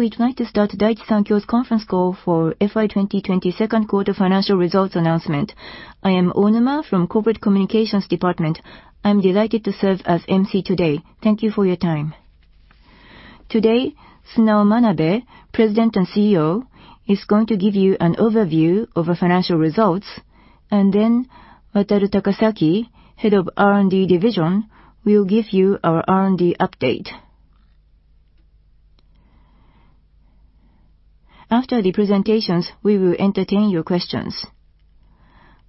We'd like to start Daiichi Sankyo's conference call for FY 2020 second quarter financial results announcement. I am Onuma from Corporate Communications Department. I'm delighted to serve as MC today. Thank you for your time. Sunao Manabe, President and CEO, is going to give you an overview of our financial results, and then Wataru Takasaki, Head of R&D Division, will give you our R&D update. After the presentations, we will entertain your questions.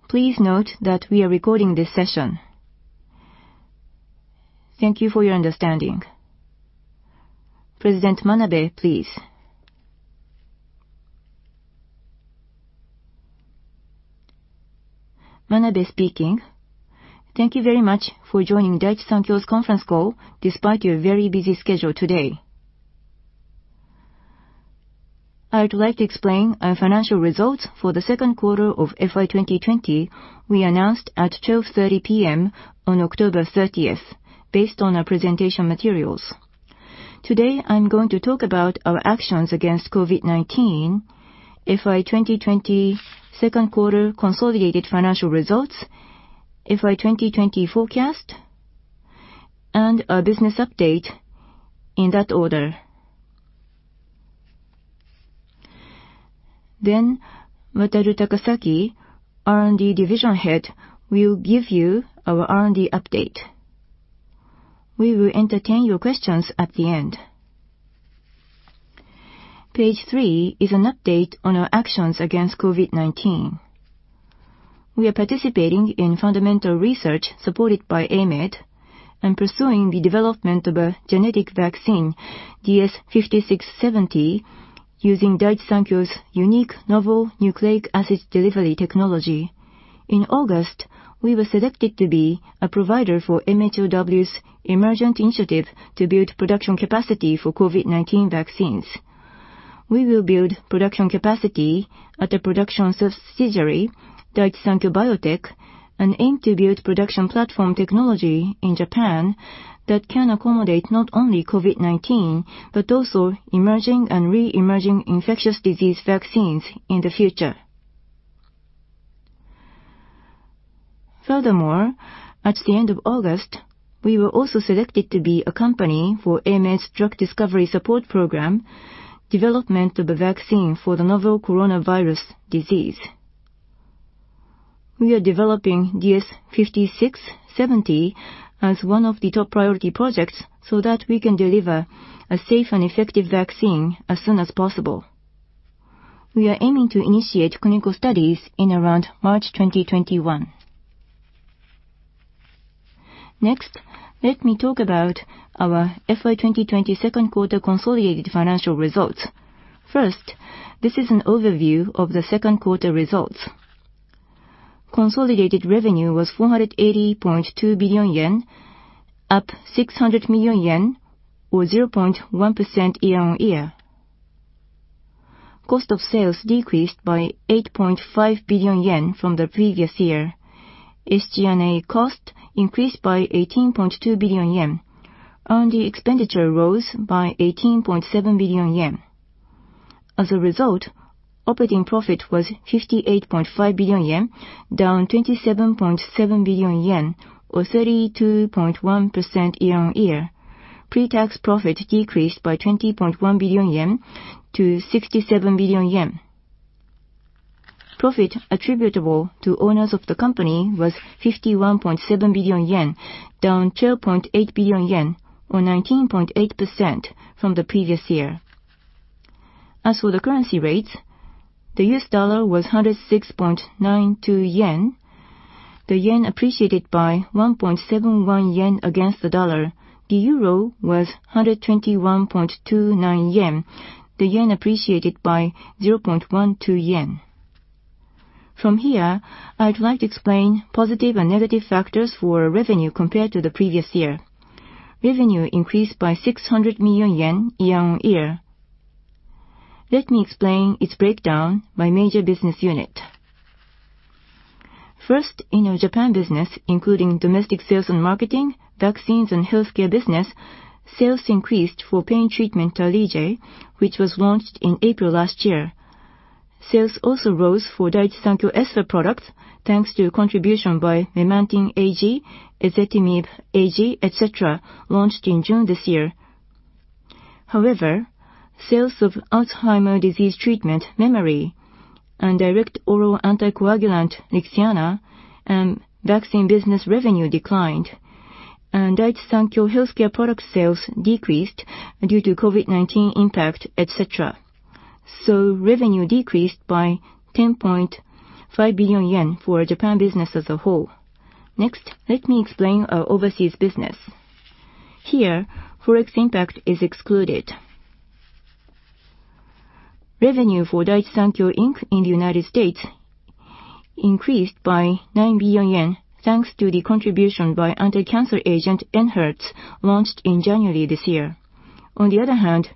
Please note that we are recording this session. Thank you for your understanding. President Manabe, please. Manabe speaking. Thank you very much for joining Daiichi Sankyo's conference call despite your very busy schedule today. I'd like to explain our financial results for the second quarter of FY 2020 we announced at 12:30 P.M. on October 30th, based on our presentation materials. Today, I'm going to talk about our actions against COVID-19, FY 2020 second quarter consolidated financial results, FY 2020 forecast, and our business update, in that order. Wataru Takasaki, R&D Division Head, will give you our R&D update. We will entertain your questions at the end. Page three is an update on our actions against COVID-19. We are participating in fundamental research supported by AMED and pursuing the development of a genetic vaccine, DS-5670, using Daiichi Sankyo's unique novel nucleic acid delivery technology. In August, we were selected to be a provider for MHLW's emergent initiative to build production capacity for COVID-19 vaccines. We will build production capacity at a production subsidiary, Daiichi Sankyo Biotech, and aim to build production platform technology in Japan that can accommodate not only COVID-19 but also emerging and re-emerging infectious disease vaccines in the future. Furthermore, at the end of August, we were also selected to be a company for AMED's Drug Discovery Support Program, development of a vaccine for the novel coronavirus disease. We are developing DS-5670 as one of the top priority projects so that we can deliver a safe and effective vaccine as soon as possible. We are aiming to initiate clinical studies in around March 2021. Next, let me talk about our FY 2020 second quarter consolidated financial results. First, this is an overview of the second quarter results. Consolidated revenue was 480.2 billion yen, up 600 million yen, or 0.1% year-on-year. Cost of sales decreased by 8.5 billion yen from the previous year. SG&A costs increased by 18.2 billion yen. R&D expenditure rose by 18.7 billion yen. As a result, operating profit was 58.5 billion yen, down 27.7 billion yen or 32.1% year-on-year. Pre-tax profit decreased by 20.1 billion yen to 67 billion yen. Profit attributable to owners of the company was 51.7 billion yen, down 12.8 billion yen or 19.8% from the previous year. As for the currency rates, the U.S. dollar was 106.92 yen. The yen appreciated by 1.71 yen against the dollar. The euro was 121.29 yen. The yen appreciated by 0.12 yen. From here, I'd like to explain positive and negative factors for revenue compared to the previous year. Revenue increased by 600 million yen year-on-year. Let me explain its breakdown by major business unit. First, in our Japan business, including domestic sales and marketing, vaccines and healthcare business, sales increased for pain treatment, Tarlige, which was launched in April last year. Sales also rose for Daiichi Sankyo Espha products, thanks to contribution by memantine AG, ezetimibe AG, et cetera, launched in June this year. Sales of Alzheimer's disease treatment, Memary, and direct oral anticoagulant, LIXIANA, and vaccine business revenue declined, and Daiichi Sankyo Healthcare product sales decreased due to COVID-19 impact, et cetera. Revenue decreased by 10.5 billion yen for our Japan business as a whole. Next, let me explain our overseas business. Here, forex impact is excluded. Revenue for Daiichi Sankyo Inc. in the U.S. increased by 9 billion yen, thanks to the contribution by anti-cancer agent, ENHERTU, launched in January this year. On the other hand,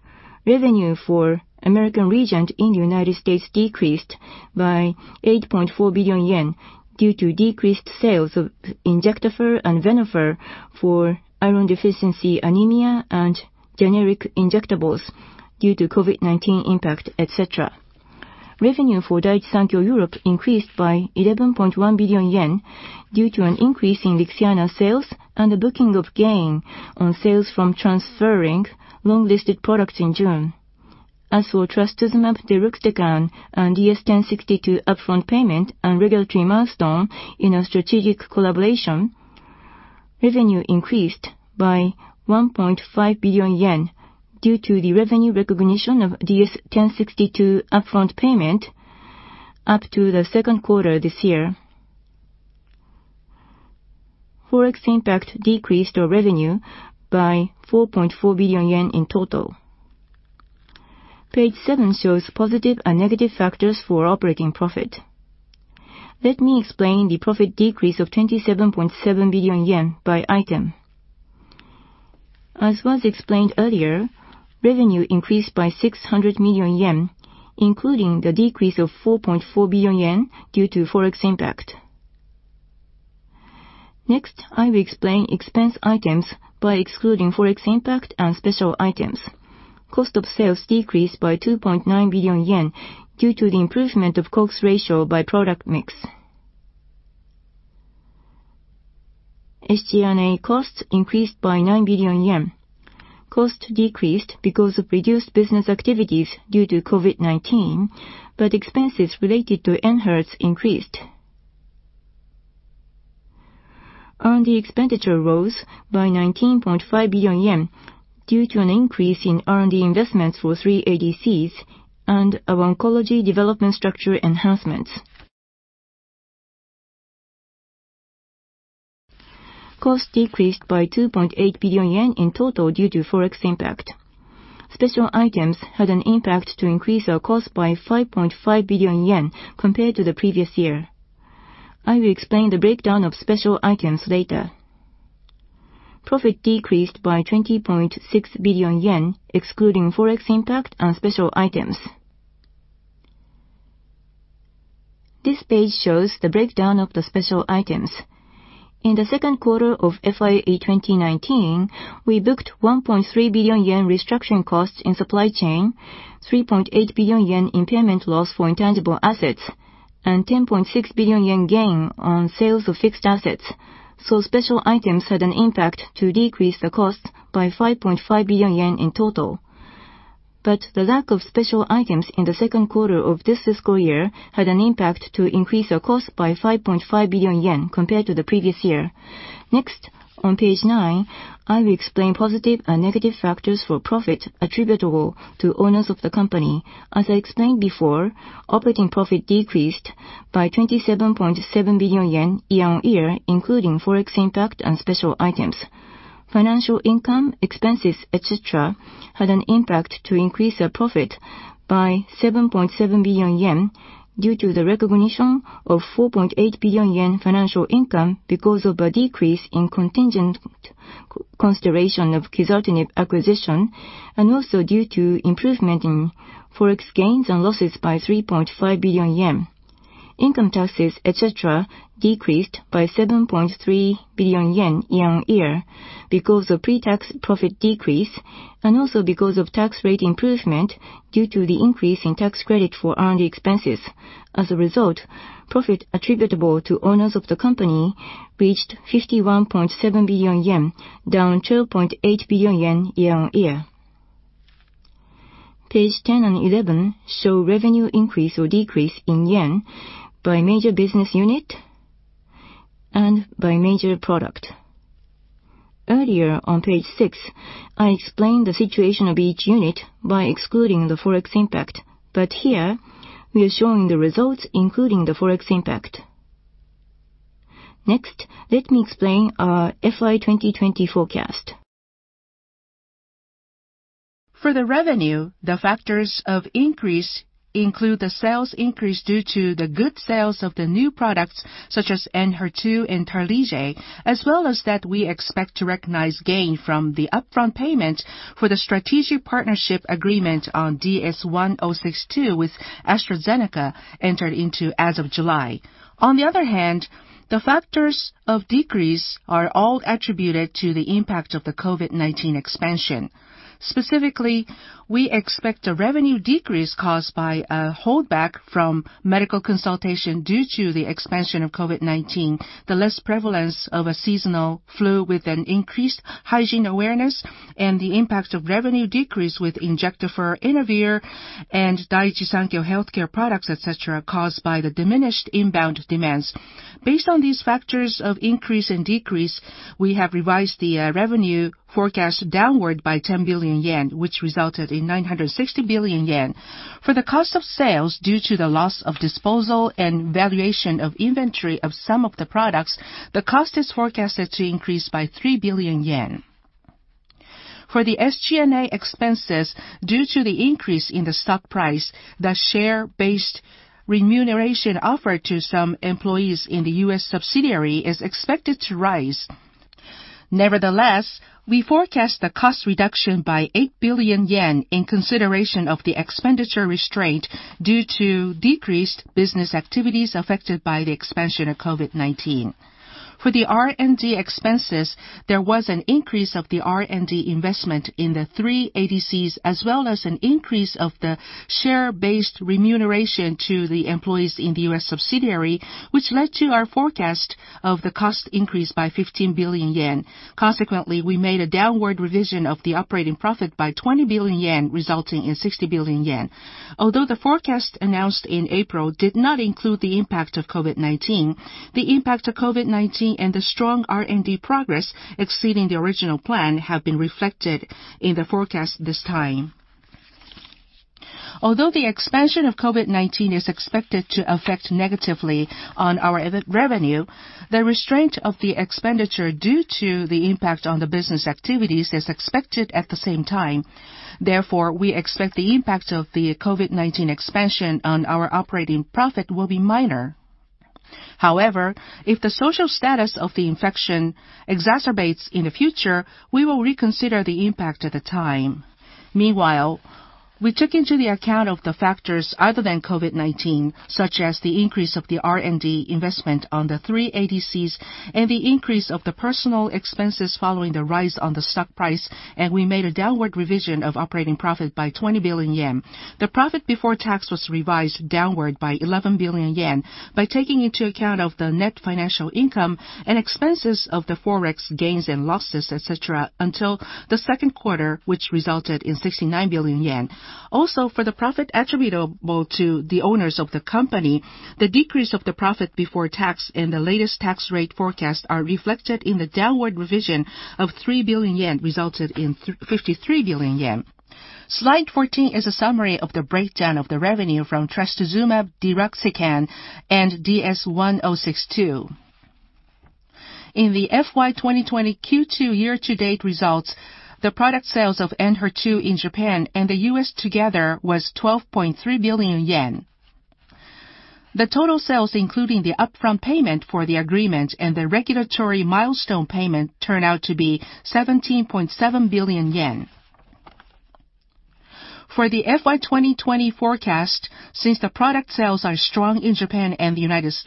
revenue for American Regent in the U.S. decreased by 8.4 billion yen due to decreased sales of Injectafer and Venofer for iron deficiency anemia and generic injectables due to COVID-19 impact, et cetera. Revenue for Daiichi Sankyo Europe increased by 11.1 billion yen due to an increase in LIXIANA sales and the booking of gain on sales from transferring long-listed products in June. As for trastuzumab deruxtecan and DS-1062 upfront payment and regulatory milestone in our strategic collaboration, revenue increased by 1.5 billion yen due to the revenue recognition of DS-1062 upfront payment up to the second quarter this year. Forex impact decreased our revenue by JPY 4.4 billion in total. Page seven shows positive and negative factors for operating profit. Let me explain the profit decrease of 27.7 billion yen by item. As was explained earlier, revenue increased by 600 million yen, including the decrease of 4.4 billion yen due to forex impact. Next, I will explain expense items by excluding forex impact and special items. Cost of sales decreased by 2.9 billion yen due to the improvement of COGS ratio by product mix. SG&A costs increased by 9 billion yen. Cost decreased because of reduced business activities due to COVID-19, but expenses related to ENHERTU increased. On the expenditure rose by 19.5 billion yen due to an increase in R&D investments for three ADCs and our oncology development structure enhancements. Cost decreased by 2.8 billion yen in total due to forex impact. Special items had an impact to increase our cost by 5.5 billion yen compared to the previous year. I will explain the breakdown of special items later. This page shows the breakdown of the special items. In the second quarter of FY 2019, we booked 1.3 billion yen restructuring costs in supply chain, 3.8 billion yen impairment loss for intangible assets, and 10.6 billion yen gain on sales of fixed assets. Special items had an impact to decrease the cost by 5.5 billion yen in total. The lack of special items in the second quarter of this fiscal year had an impact to increase our cost by 5.5 billion yen compared to the previous year. Next, on page nine, I will explain positive and negative factors for profit attributable to owners of the company. As I explained before, operating profit decreased by 27.7 billion yen year-on-year, including forex impact and special items. Financial income, expenses, et cetera, had an impact to increase our profit by 7.7 billion yen due to the recognition of 4.8 billion yen financial income because of a decrease in contingent consideration of quizartinib acquisition, and also due to improvement in forex gains and losses by 3.5 billion yen. Income taxes, et cetera, decreased by 7.3 billion yen year-on-year because of pre-tax profit decrease and also because of tax rate improvement due to the increase in tax credit for R&D expenses. As a result, profit attributable to owners of the company reached 51.7 billion yen, down 12.8 billion yen year-on-year. Page 10 and 11 show revenue increase or decrease in JPY by major business unit and by major product. Earlier on page six, I explained the situation of each unit by excluding the forex impact. Here we are showing the results, including the forex impact. Next, let me explain our FY 2020 forecast. For the revenue, the factors of increase include the sales increase due to the good sales of the new products such as ENHERTU and Tarlige, as well as that we expect to recognize gain from the upfront payment for the strategic partnership agreement on DS-1062 with AstraZeneca entered into as of July. On the other hand, the factors of decrease are all attributed to the impact of the COVID-19 expansion. Specifically, we expect a revenue decrease caused by a holdback from medical consultation due to the expansion of COVID-19, the less prevalence of a seasonal flu with an increased hygiene awareness, and the impact of revenue decrease with Injectafer, Inavir, and Daiichi Sankyo Healthcare products, et cetera, caused by the diminished inbound demands. Based on these factors of increase and decrease, we have revised the revenue forecast downward by 10 billion yen, which resulted in 960 billion yen. For the cost of sales due to the loss of disposal and valuation of inventory of some of the products, the cost is forecasted to increase by 3 billion yen. For the SG&A expenses due to the increase in the stock price, the share-based remuneration offered to some employees in the U.S. subsidiary is expected to rise. Nevertheless, we forecast the cost reduction by 8 billion yen in consideration of the expenditure restraint due to decreased business activities affected by the expansion of COVID-19. For the R&D expenses, there was an increase of the R&D investment in the three ADCs as well as an increase of the share-based remuneration to the employees in the U.S. subsidiary, which led to our forecast of the cost increase by 15 billion yen. Consequently, we made a downward revision of the operating profit by 20 billion yen, resulting in 60 billion yen. Although the forecast announced in April did not include the impact of COVID-19, the impact of COVID-19 and the strong R&D progress exceeding the original plan have been reflected in the forecast this time. Although the expansion of COVID-19 is expected to affect negatively on our revenue, the restraint of the expenditure due to the impact on the business activities is expected at the same time. Therefore, we expect the impact of the COVID-19 expansion on our operating profit will be minor. However, if the social status of the infection exacerbates in the future, we will reconsider the impact at the time. We took into the account of the factors other than COVID-19, such as the increase of the R&D investment on the three ADCs and the increase of the personal expenses following the rise on the stock price, and we made a downward revision of operating profit by 20 billion yen. The profit before tax was revised downward by 11 billion yen, by taking into account of the net financial income and expenses of the Forex gains and losses, etc., until the second quarter, which resulted in 69 billion yen. For the profit attributable to the owners of the company, the decrease of the profit before tax and the latest tax rate forecast are reflected in the downward revision of 3 billion yen, resulted in 53 billion yen. Slide 14 is a summary of the breakdown of the revenue from trastuzumab deruxtecan and DS-1062. In the FY 2020 Q2 year-to-date results, the product sales of ENHERTU in Japan and the U.S. together was 12.3 billion yen. The total sales including the upfront payment for the agreement and the regulatory milestone payment turned out to be 17.7 billion yen. For the FY 2020 forecast, since the product sales are strong in Japan and the U.S.,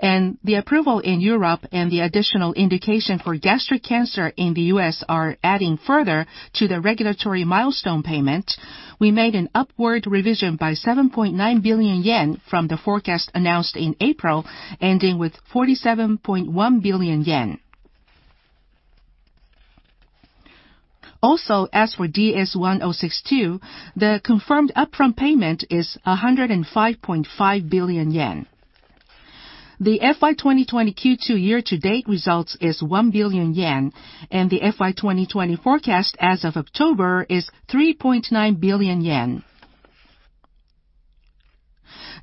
and the approval in Europe and the additional indication for gastric cancer in the U.S. are adding further to the regulatory milestone payment, we made an upward revision by 7.9 billion yen from the forecast announced in April, ending with 47.1 billion yen. As for DS-1062, the confirmed upfront payment is 105.5 billion yen. The FY 2020 Q2 year-to-date result is 1 billion yen, and the FY 2020 forecast as of October is 3.9 billion yen.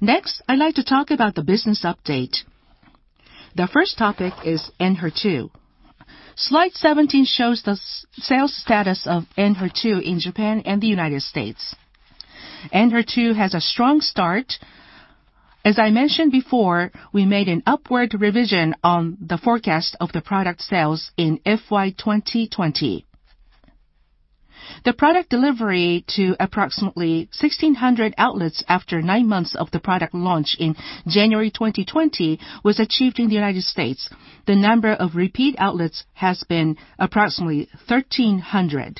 Next, I'd like to talk about the business update. The first topic is ENHERTU. Slide 17 shows the sales status of ENHERTU in Japan and the U.S. ENHERTU has a strong start. As I mentioned before, we made an upward revision on the forecast of the product sales in FY 2020. The product delivery to approximately 1,600 outlets after nine months of the product launch in January 2020 was achieved in the U.S. The number of repeat outlets has been approximately 1,300.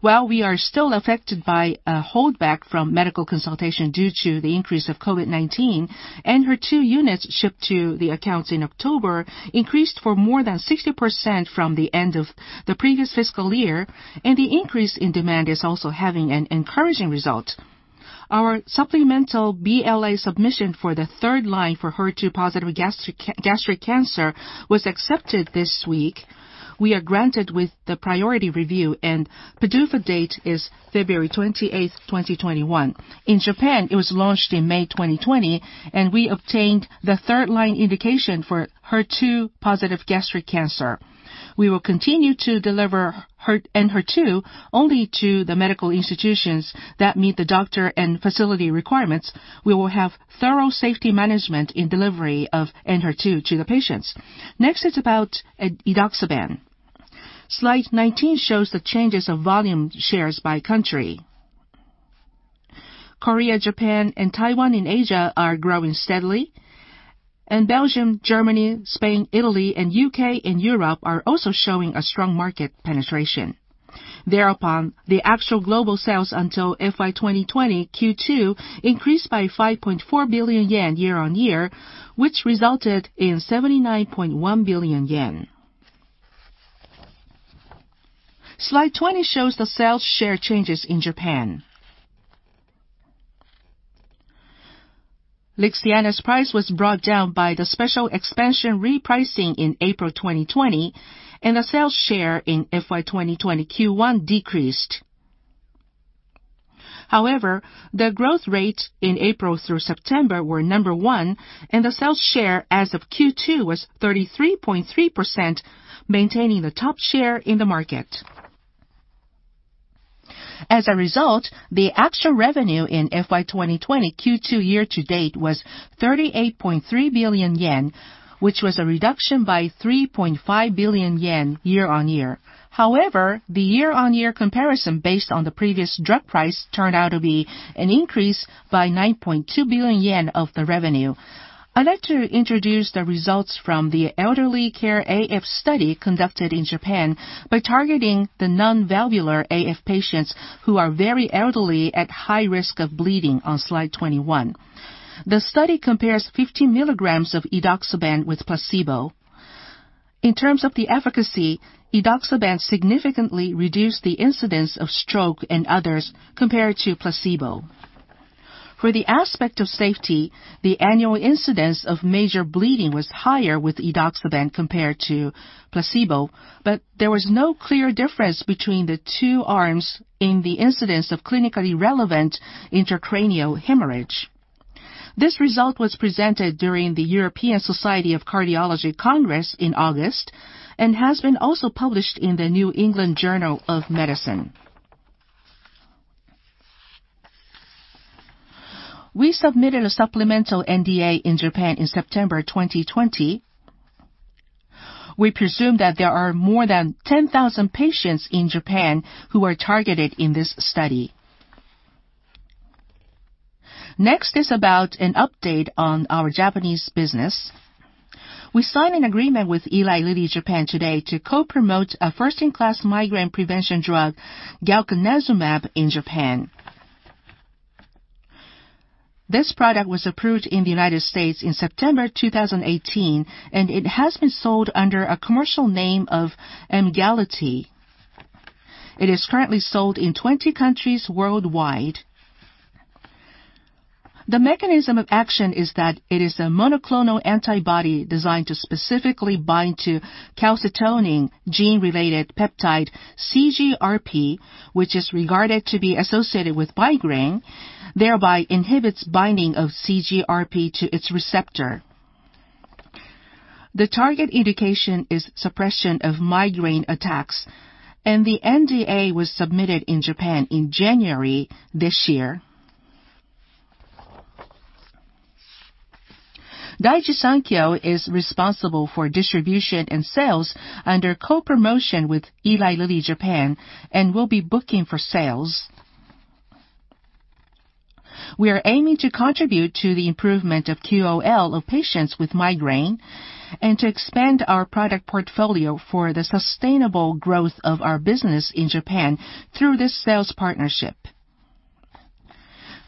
While we are still affected by a holdback from medical consultation due to the increase of COVID-19, ENHERTU units shipped to the accounts in October increased for more than 60% from the end of the previous fiscal year, the increase in demand is also having an encouraging result. Our supplemental BLA submission for the third line for HER2-positive gastric cancer was accepted this week. We are granted with the priority review, PDUFA date is February 28th, 2021. In Japan, it was launched in May 2020, and we obtained the third-line indication for HER2-positive gastric cancer. We will continue to deliver ENHERTU only to the medical institutions that meet the doctor and facility requirements. We will have thorough safety management in delivery of ENHERTU to the patients. Next is about edoxaban. Slide 19 shows the changes of volume shares by country. Korea, Japan, and Taiwan in Asia are growing steadily. Belgium, Germany, Spain, Italy, and U.K. in Europe are also showing a strong market penetration. Thereupon, the actual global sales until FY 2020 Q2 increased by 5.4 billion yen year-on-year, which resulted in 79.1 billion yen. Slide 20 shows the sales share changes in Japan. LIXIANA's price was brought down by the special expansion repricing in April 2020, and the sales share in FY 2020 Q1 decreased. However, the growth rate in April through September were number one, and the sales share as of Q2 was 33.3%, maintaining the top share in the market. As a result, the actual revenue in FY 2020 Q2 year-to-date was 38.3 billion yen, which was a reduction by 3.5 billion yen year-on-year. However, the year-on-year comparison based on the previous drug price turned out to be an increase by 9.2 billion yen of the revenue. I'd like to introduce the results from the ELDERCARE-AF Study conducted in Japan by targeting the non-valvular AF patients who are very elderly, at high risk of bleeding, on slide 21. The study compares 50 milligrams of edoxaban with placebo. In terms of the efficacy, edoxaban significantly reduced the incidence of stroke and others compared to placebo. For the aspect of safety, the annual incidence of major bleeding was higher with edoxaban compared to placebo, but there was no clear difference between the two arms in the incidence of clinically relevant intracranial hemorrhage. This result was presented during the European Society of Cardiology Congress in August and has been also published in the New England Journal of Medicine. We submitted a supplemental NDA in Japan in September 2020. We presume that there are more than 10,000 patients in Japan who are targeted in this study. Next is about an update on our Japanese business. We signed an agreement with Eli Lilly Japan today to co-promote a first-in-class migraine prevention drug, galcanezumab, in Japan. This product was approved in the U.S. in September 2018, and it has been sold under a commercial name of Emgality. It is currently sold in 20 countries worldwide. The mechanism of action is that it is a monoclonal antibody designed to specifically bind to calcitonin gene-related peptide, CGRP, which is regarded to be associated with migraine, thereby inhibits binding of CGRP to its receptor. The target indication is suppression of migraine attacks. The NDA was submitted in Japan in January this year. Daiichi Sankyo is responsible for distribution and sales under co-promotion with Eli Lilly Japan and will be booking for sales. We are aiming to contribute to the improvement of QOL of patients with migraine and to expand our product portfolio for the sustainable growth of our business in Japan through this sales partnership.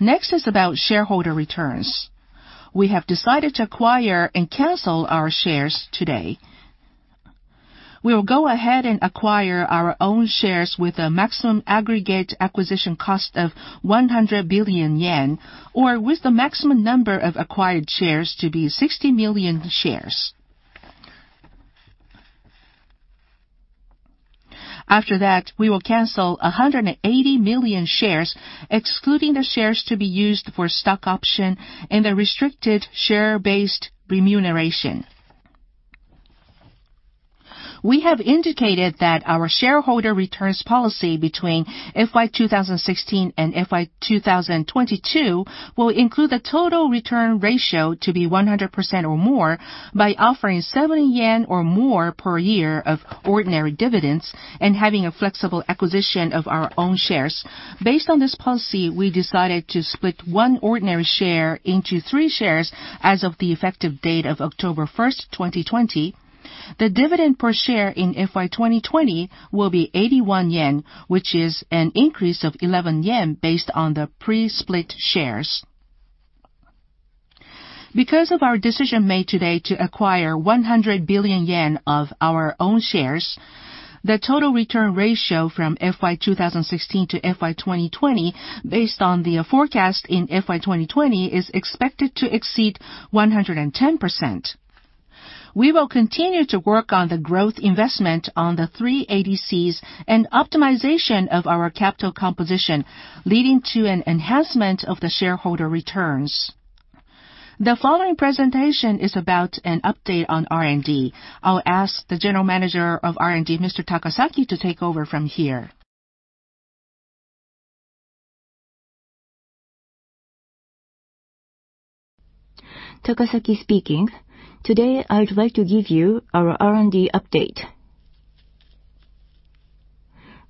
Next is about shareholder returns. We have decided to acquire and cancel our shares today. We will go ahead and acquire our own shares with a maximum aggregate acquisition cost of 100 billion yen, or with the maximum number of acquired shares to be 60 million shares. After that, we will cancel 180 million shares, excluding the shares to be used for stock option and the restricted share-based remuneration. We have indicated that our shareholder returns policy between FY 2016 and FY 2022 will include the total return ratio to be 100% or more by offering 70 yen or more per year of ordinary dividends and having a flexible acquisition of our own shares. Based on this policy, we decided to split one ordinary share into three shares as of the effective date of October 1st, 2020. The dividend per share in FY 2020 will be 81 yen, which is an increase of 11 yen based on the pre-split shares. Because of our decision made today to acquire 100 billion yen of our own shares, the total return ratio from FY 2016 to FY 2020 based on the forecast in FY 2020 is expected to exceed 110%. We will continue to work on the growth investment on the three ADCs and optimization of our capital composition, leading to an enhancement of the shareholder returns. The following presentation is about an update on R&D. I'll ask the General Manager of R&D, Mr. Takasaki, to take over from here. Takasaki speaking. Today, I'd like to give you our R&D update.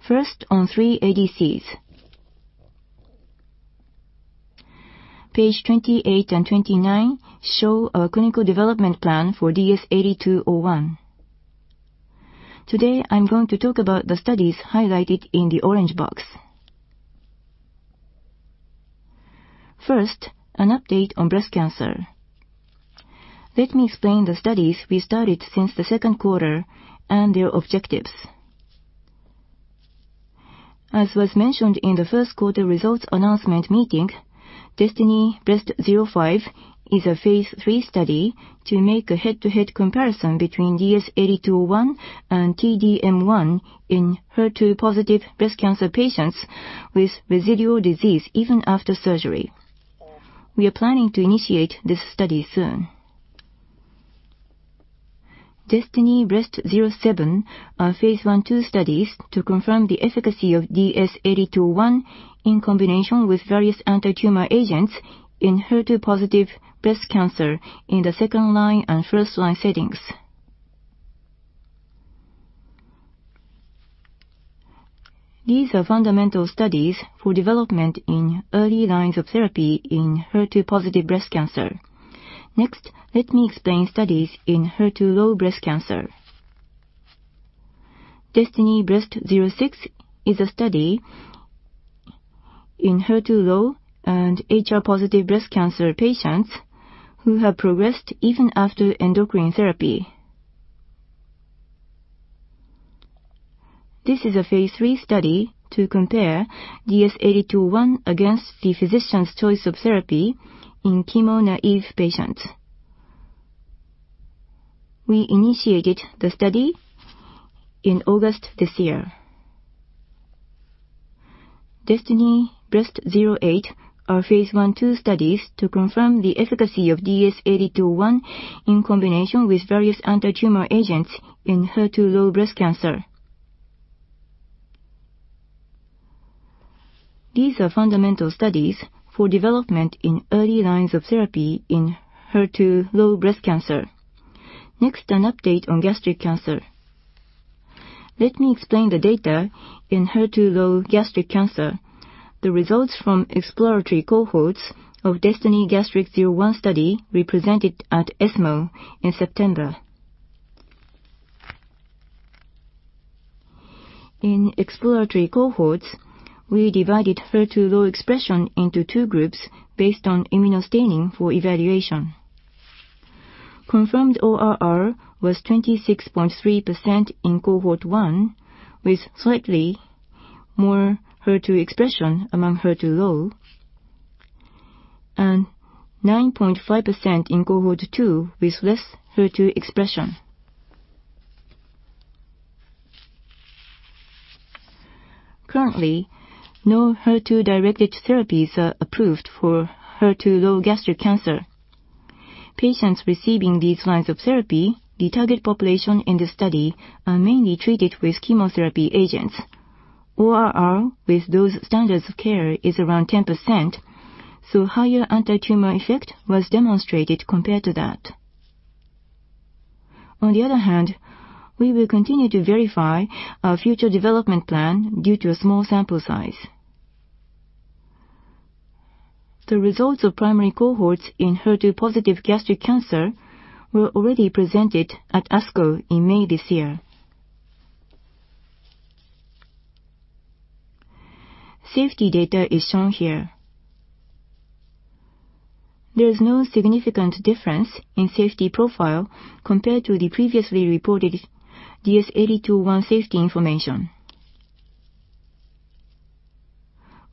First, on three ADCs. Page 28 and 29 show our clinical development plan for DS-8201. Today, I'm going to talk about the studies highlighted in the orange box. First, an update on breast cancer. Let me explain the studies we started since the second quarter and their objectives. As was mentioned in the first quarter results announcement meeting, DESTINY-Breast05 is a phase III study to make a head-to-head comparison between DS-8201 and T-DM1 in HER2-positive breast cancer patients with residual disease even after surgery. We are planning to initiate this study soon. DESTINY-Breast07 are phase I/II studies to confirm the efficacy of DS-8201 in combination with various anti-tumor agents in HER2-positive breast cancer in the second-line and first-line settings. These are fundamental studies for development in early lines of therapy in HER2-positive breast cancer. Let me explain studies in HER2-low breast cancer. DESTINY-Breast06 is a study in HER2-low and HR-positive breast cancer patients who have progressed even after endocrine therapy. This is a phase III study to compare DS-8201 against the physician's choice of therapy in chemo-naïve patients. We initiated the study in August this year. DESTINY-Breast08 are phase I-II studies to confirm the efficacy of DS-8201 in combination with various anti-tumor agents in HER2-low breast cancer. These are fundamental studies for development in early lines of therapy in HER2-low breast cancer. An update on gastric cancer. Let me explain the data in HER2-low gastric cancer. The results from exploratory cohorts of DESTINY-Gastric01 study we presented at ESMO in September. In exploratory cohorts, we divided HER2-low expression into two groups based on immunostaining for evaluation. Confirmed ORR was 26.3% in cohort 1, with slightly more HER2 expression among HER2-low, and 9.5% in cohort 2 with less HER2 expression. Currently, no HER2-directed therapies are approved for HER2-low gastric cancer. Patients receiving these lines of therapy, the target population in the study, are mainly treated with chemotherapy agents. ORR with those standards of care is around 10%, so higher anti-tumor effect was demonstrated compared to that. On the other hand, we will continue to verify our future development plan due to a small sample size. The results of primary cohorts in HER2-positive gastric cancer were already presented at ASCO in May this year. Safety data is shown here. There is no significant difference in safety profile compared to the previously reported DS-8201 safety information.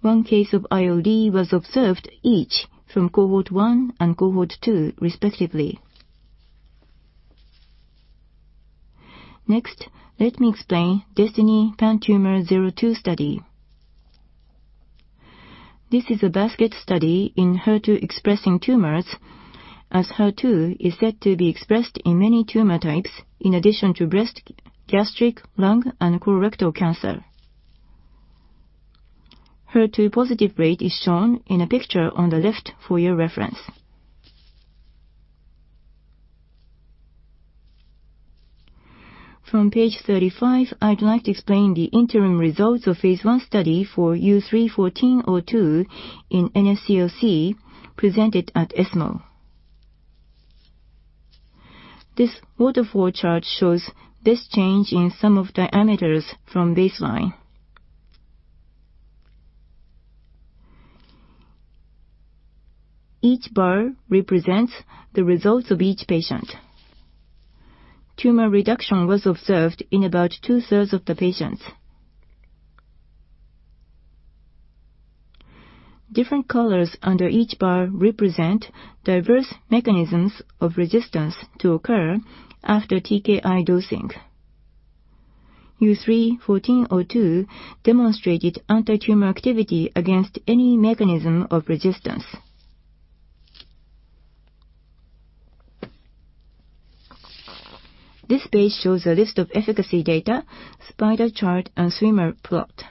One case of ILD was observed each from cohort 1 and cohort 2, respectively. Next, let me explain DESTINY-PanTumor02 study. This is a basket study in HER2-expressing tumors, as HER2 is said to be expressed in many tumor types in addition to breast, gastric, lung, and colorectal cancer. HER2-positive rate is shown in a picture on the left for your reference. From page 35, I'd like to explain the interim results of phase I study for U3-1402 in NSCLC presented at ESMO. This waterfall chart shows this change in some of diameters from baseline. Each bar represents the results of each patient. Tumor reduction was observed in about two-thirds of the patients. Different colors under each bar represent diverse mechanisms of resistance to occur after TKI dosing. U3-1402 demonstrated anti-tumor activity against any mechanism of resistance. This page shows a list of efficacy data, spider chart, and swimmer plot.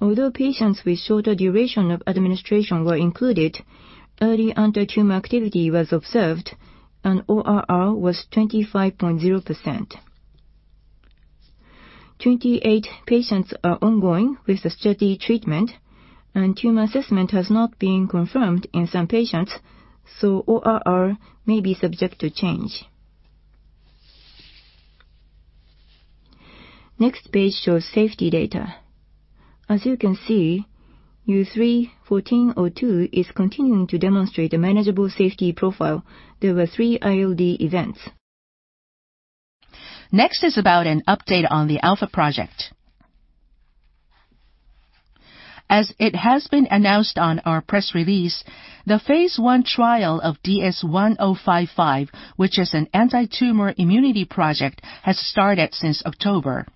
Although patients with shorter duration of administration were included, early anti-tumor activity was observed, and ORR was 25.0%. 28 patients are ongoing with the study treatment, and tumor assessment has not been confirmed in some patients. ORR may be subject to change. Next page shows safety data. As you can see, U3-1402 is continuing to demonstrate a manageable safety profile. There were three ILD events. Next is about an update on the ALPHA project. As it has been announced on our press release, the phase I trial of DS-1055, which is an anti-tumor immunity project, has started since October.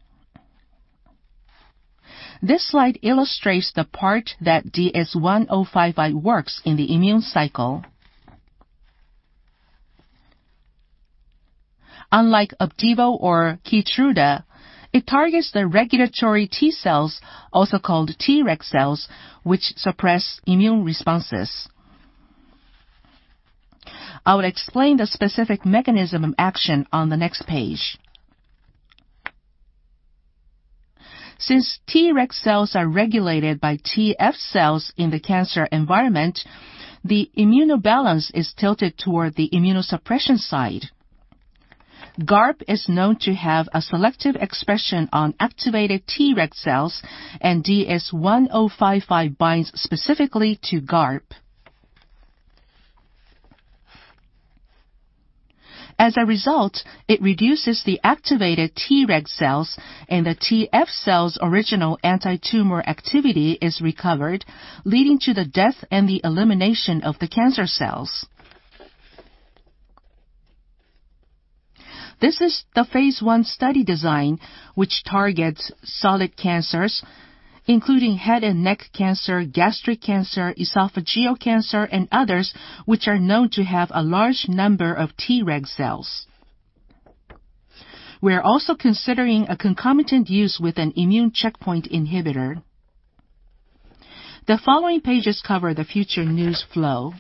This slide illustrates the part that DS-1055 works in the immune cycle. Unlike Opdivo or Keytruda, it targets the regulatory T cells, also called Treg cells, which suppress immune responses. I will explain the specific mechanism of action on the next page. Since Treg cells are regulated by Teff cells in the cancer environment, the immunobalance is tilted toward the immunosuppression side. GARP is known to have a selective expression on activated Treg cells, and DS-1055 binds specifically to GARP. As a result, it reduces the activated Treg cells, and the Teff cells' original antitumor activity is recovered, leading to the death and the elimination of the cancer cells. This is the phase I study design, which targets solid cancers, including head and neck cancer, gastric cancer, esophageal cancer, and others, which are known to have a large number of Treg cells. We are also considering a concomitant use with an immune checkpoint inhibitor. The following pages cover the future news flow.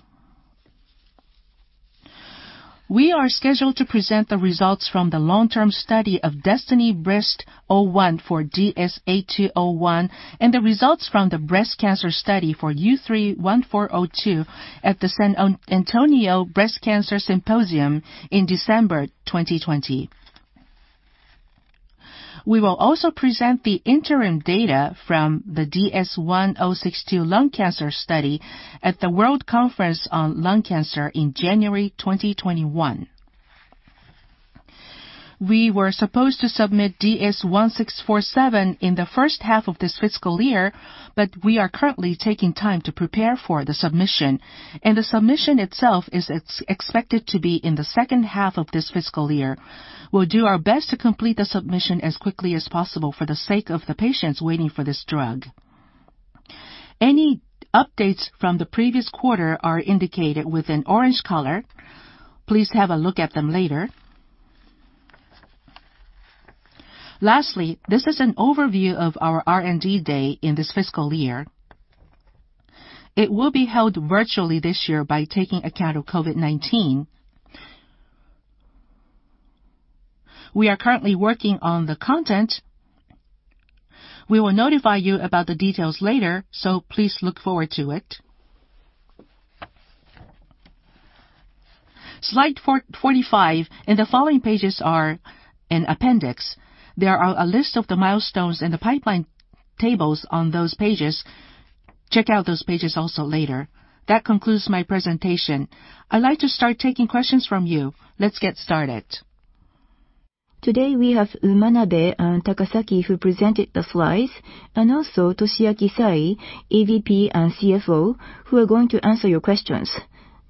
We are scheduled to present the results from the long-term study of DESTINY-Breast01 for DS-8201 and the results from the breast cancer study for U3-1402 at the San Antonio Breast Cancer Symposium in December 2020. We will also present the interim data from the DS-1062 lung cancer study at the World Conference on Lung Cancer in January 2021. We were supposed to submit DS-1647 in the first half of this fiscal year, but we are currently taking time to prepare for the submission, and the submission itself is expected to be in the second half of this fiscal year. We'll do our best to complete the submission as quickly as possible for the sake of the patients waiting for this drug. Any updates from the previous quarter are indicated with an orange color. Please have a look at them later. This is an overview of our R&D Day in this fiscal year. It will be held virtually this year by taking account of COVID-19. We are currently working on the content. We will notify you about the details later, so please look forward to it. Slide 45 and the following pages are an appendix. There are a list of the milestones and the pipeline tables on those pages. Check out those pages also later. That concludes my presentation. I'd like to start taking questions from you. Let's get started. Today we have Manabe and Takasaki who presented the slides, and also Toshiaki Sai, Executive Vice President and CFO, who are going to answer your questions.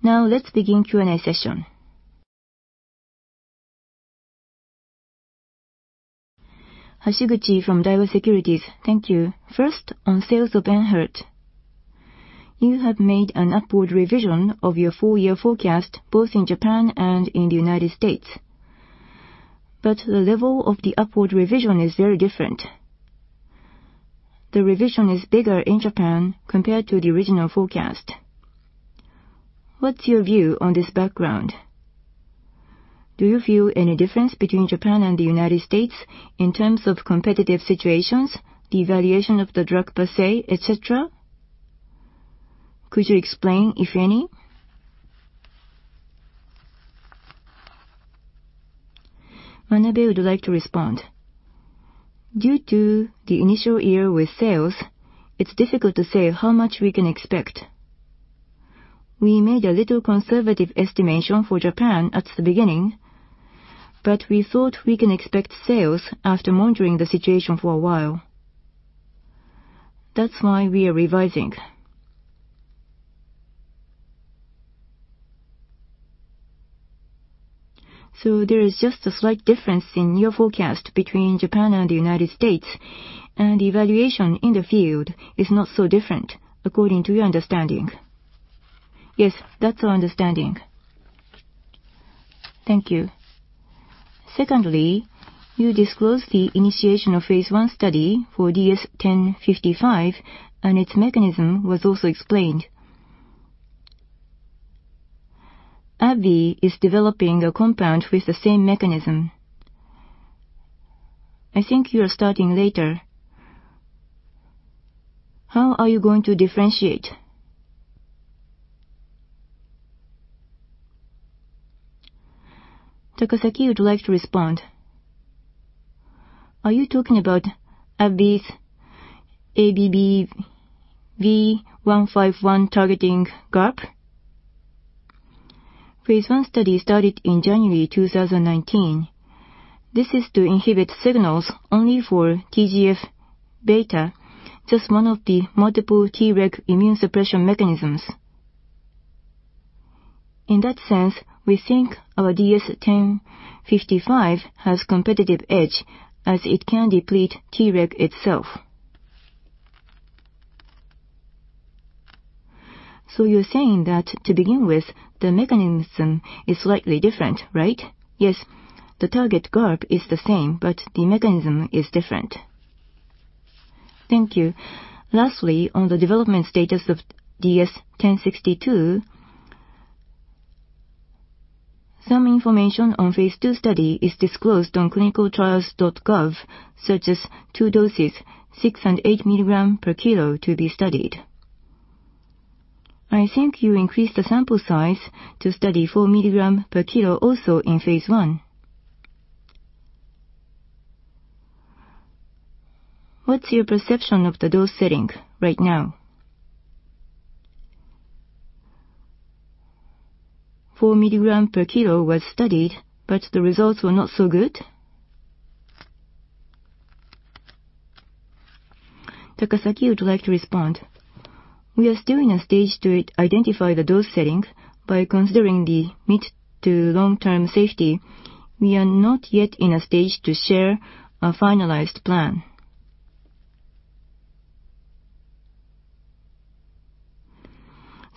Let's begin Q&A session. Hashiguchi from Daiwa Securities. Thank you. On sales of ENHERTU. You have made an upward revision of your full-year forecast, both in Japan and in the U.S. The level of the upward revision is very different. The revision is bigger in Japan compared to the original forecast. What's your view on this background? Do you view any difference between Japan and the U.S. in terms of competitive situations, the evaluation of the drug per se, et cetera? Could you explain, if any? Manabe would like to respond. Due to the initial year with sales, it's difficult to say how much we can expect. We made a little conservative estimation for Japan at the beginning, but we thought we can expect sales after monitoring the situation for a while. That's why we are revising. There is just a slight difference in your forecast between Japan and the United States, and evaluation in the field is not so different according to your understanding. Yes, that's our understanding. Thank you. You disclosed the initiation of phase I study for DS-1055, and its mechanism was also explained. AbbVie is developing a compound with the same mechanism. I think you are starting later. How are you going to differentiate? Takasaki would like to respond. Are you talking about AbbVie's ABBV-151 targeting GARP? Phase I study started in January 2019. This is to inhibit signals only for TGF-beta, just one of the multiple Treg immune suppression mechanisms. In that sense, we think our DS-1055 has competitive edge as it can deplete Treg itself. You're saying that to begin with, the mechanism is slightly different, right? Yes. The target GARP is the same, the mechanism is different. Thank you. Lastly, on the development status of DS-1062. Some information on phase II study is disclosed on clinicaltrials.gov, such as two doses, six and 8 milligrams per kilo to be studied. I think you increased the sample size to study 4 milligrams per kilo also in phase I. What's your perception of the dose setting right now? 4 milligram per kilo was studied. The results were not so good. Takasaki would like to respond. We are still in a stage to identify the dose setting by considering the mid to long-term safety. We are not yet in a stage to share a finalized plan.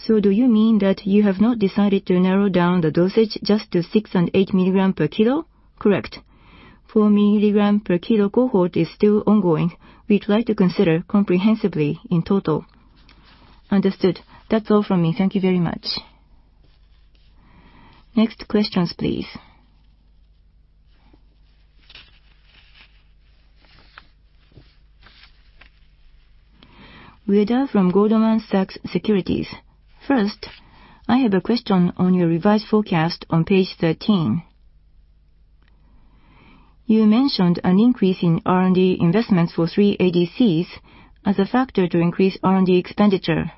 Do you mean that you have not decided to narrow down the dosage just to six and 8 milligram per kilo? Correct. 4 milligram per kilo cohort is still ongoing. We'd like to consider comprehensively in total. Understood. That's all from me. Thank you very much. Next questions, please. Ueda from Goldman Sachs Securities. First, I have a question on your revised forecast on page 13. You mentioned an increase in R&D investments for three ADCs as a factor to increase R&D expenditure.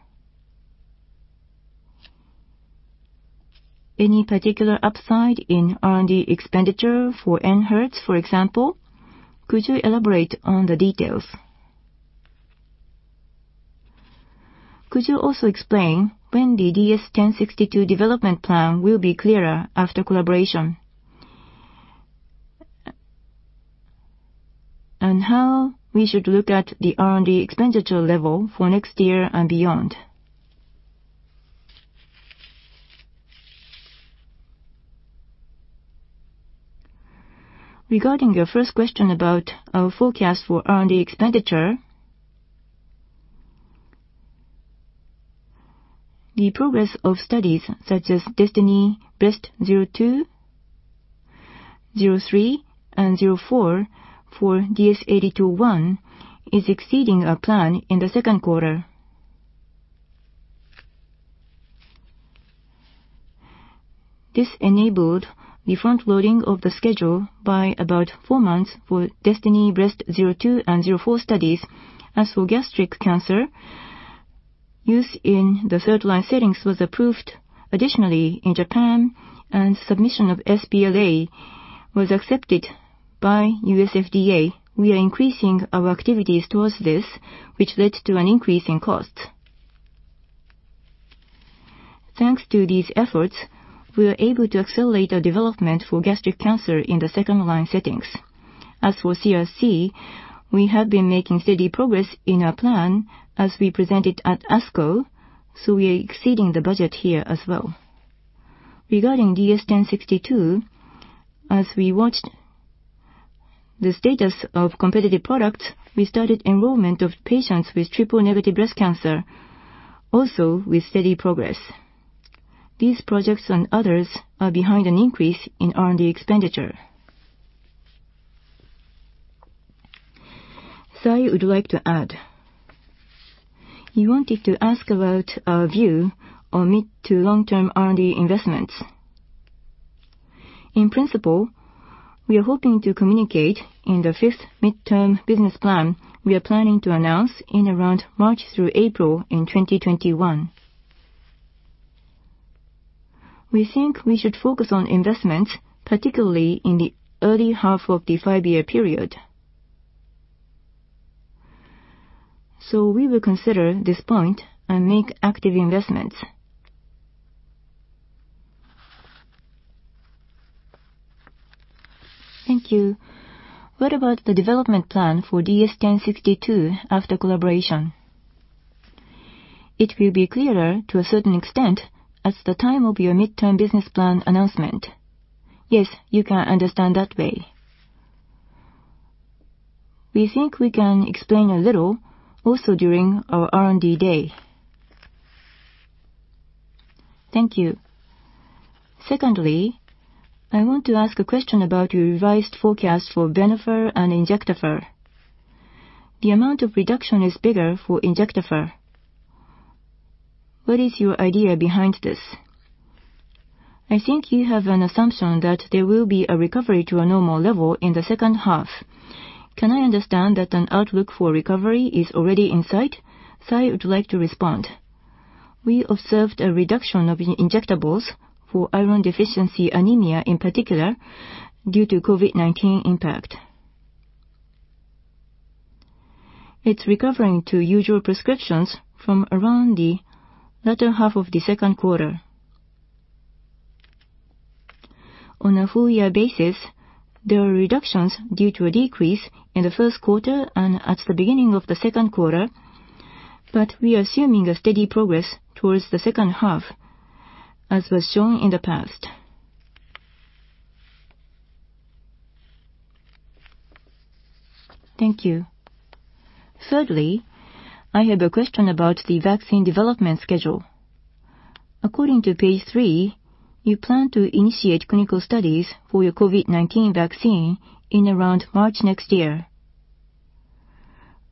Any particular upside in R&D expenditure for ENHERTU, for example? Could you elaborate on the details? Could you also explain when the DS-1062 development plan will be clearer after collaboration? How we should look at the R&D expenditure level for next year and beyond? Regarding your first question about our forecast for R&D expenditure, the progress of studies such as DESTINY-Breast02, 03, and 04 for DS-8201 is exceeding our plan in the second quarter. This enabled the front-loading of the schedule by about four months for DESTINY-Breast02 and 04 studies. As for gastric cancer, use in the 3rd line settings was approved additionally in Japan, and submission of sBLA was accepted by U.S. FDA. We are increasing our activities towards this, which led to an increase in cost. Thanks to these efforts, we are able to accelerate our development for gastric cancer in the 2nd-line settings. As for CRC, we have been making steady progress in our plan, as we presented at ASCO, we are exceeding the budget here as well. Regarding DS-1062, as we watched the status of competitive products, we started enrollment of patients with triple-negative breast cancer, also with steady progress. These projects and others are behind an increase in R&D expenditure. Sai would like to add. You wanted to ask about our view on mid to long-term R&D investments. In principle, we are hoping to communicate in the fifth midterm business plan we are planning to announce in around March through April in 2021. We think we should focus on investments, particularly in the early half of the five-year period. We will consider this point and make active investments. Thank you. What about the development plan for DS-1062 after collaboration? It will be clearer to a certain extent at the time of your midterm business plan announcement. Yes, you can understand that way. We think we can explain a little also during our R&D Day. Thank you. Secondly, I want to ask a question about your revised forecast for Venofer and Injectafer. The amount of reduction is bigger for Injectafer. What is your idea behind this? I think you have an assumption that there will be a recovery to a normal level in the second half. Can I understand that an outlook for recovery is already in sight? Sai would like to respond. We observed a reduction of injectables for iron deficiency anemia in particular due to COVID-19 impact. It's recovering to usual prescriptions from around the latter half of the second quarter. On a full-year basis, there are reductions due to a decrease in the first quarter and at the beginning of the second quarter, but we are assuming a steady progress towards the second half, as was shown in the past. Thank you. Thirdly, I have a question about the vaccine development schedule. According to page three, you plan to initiate clinical studies for your COVID-19 vaccine in around March next year.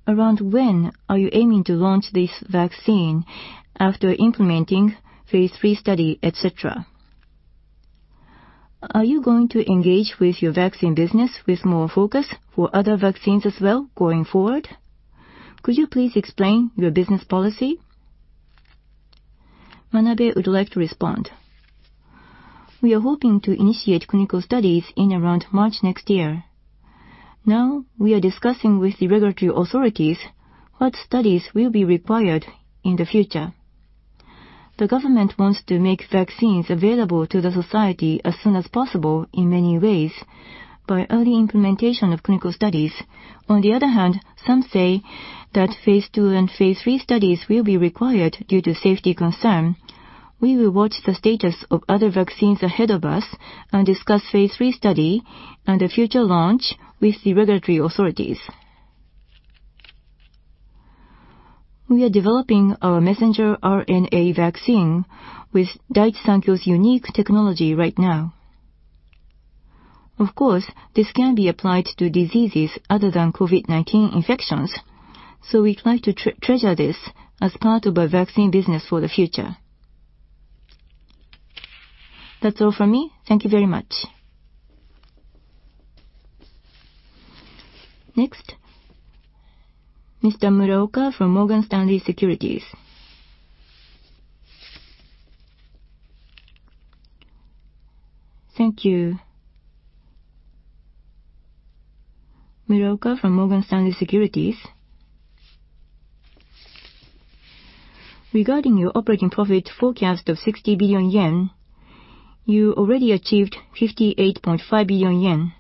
Around when are you aiming to launch this vaccine after implementing phase III study, et cetera? Are you going to engage with your vaccine business with more focus for other vaccines as well going forward? Could you please explain your business policy? Manabe would like to respond. We are hoping to initiate clinical studies in around March next year. Now, we are discussing with the regulatory authorities what studies will be required in the future. The government wants to make vaccines available to the society as soon as possible in many ways by early implementation of clinical studies. On the other hand, some say that phase II and phase III studies will be required due to safety concern. We will watch the status of other vaccines ahead of us and discuss phase III study and the future launch with the regulatory authorities. We are developing our messenger RNA vaccine with Daiichi Sankyo's unique technology right now. Of course, this can be applied to diseases other than COVID-19 infections. We'd like to treasure this as part of our vaccine business for the future. That's all from me. Thank you very much. Next, Mr. Muraoka from Morgan Stanley Securities. Thank you. Muraoka from Morgan Stanley Securities. Regarding your operating profit forecast of 60 billion yen, you already achieved 58.5 billion yen.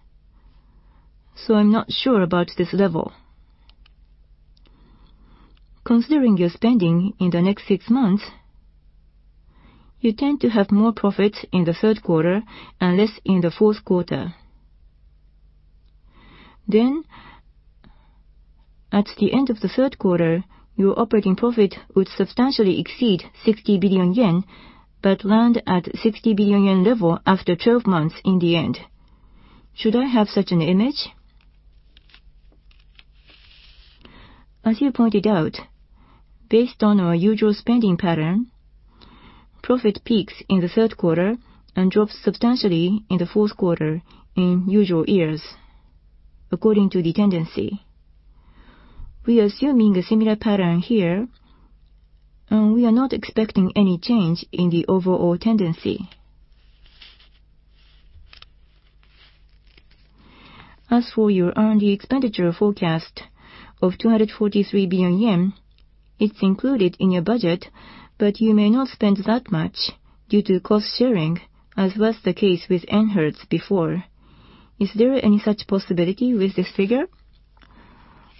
I'm not sure about this level. Considering your spending in the next six months, you tend to have more profit in the third quarter and less in the fourth quarter. At the end of the third quarter, your operating profit would substantially exceed 60 billion yen, but land at 60 billion yen level after 12 months in the end. Should I have such an image? As you pointed out, based on our usual spending pattern, profit peaks in the third quarter and drops substantially in the fourth quarter in usual years, according to the tendency. We are assuming a similar pattern here, and we are not expecting any change in the overall tendency. As for your R&D expenditure forecast of 243 billion yen, it's included in your budget, but you may not spend that much due to cost-sharing, as was the case with ENHERTU before. Is there any such possibility with this figure?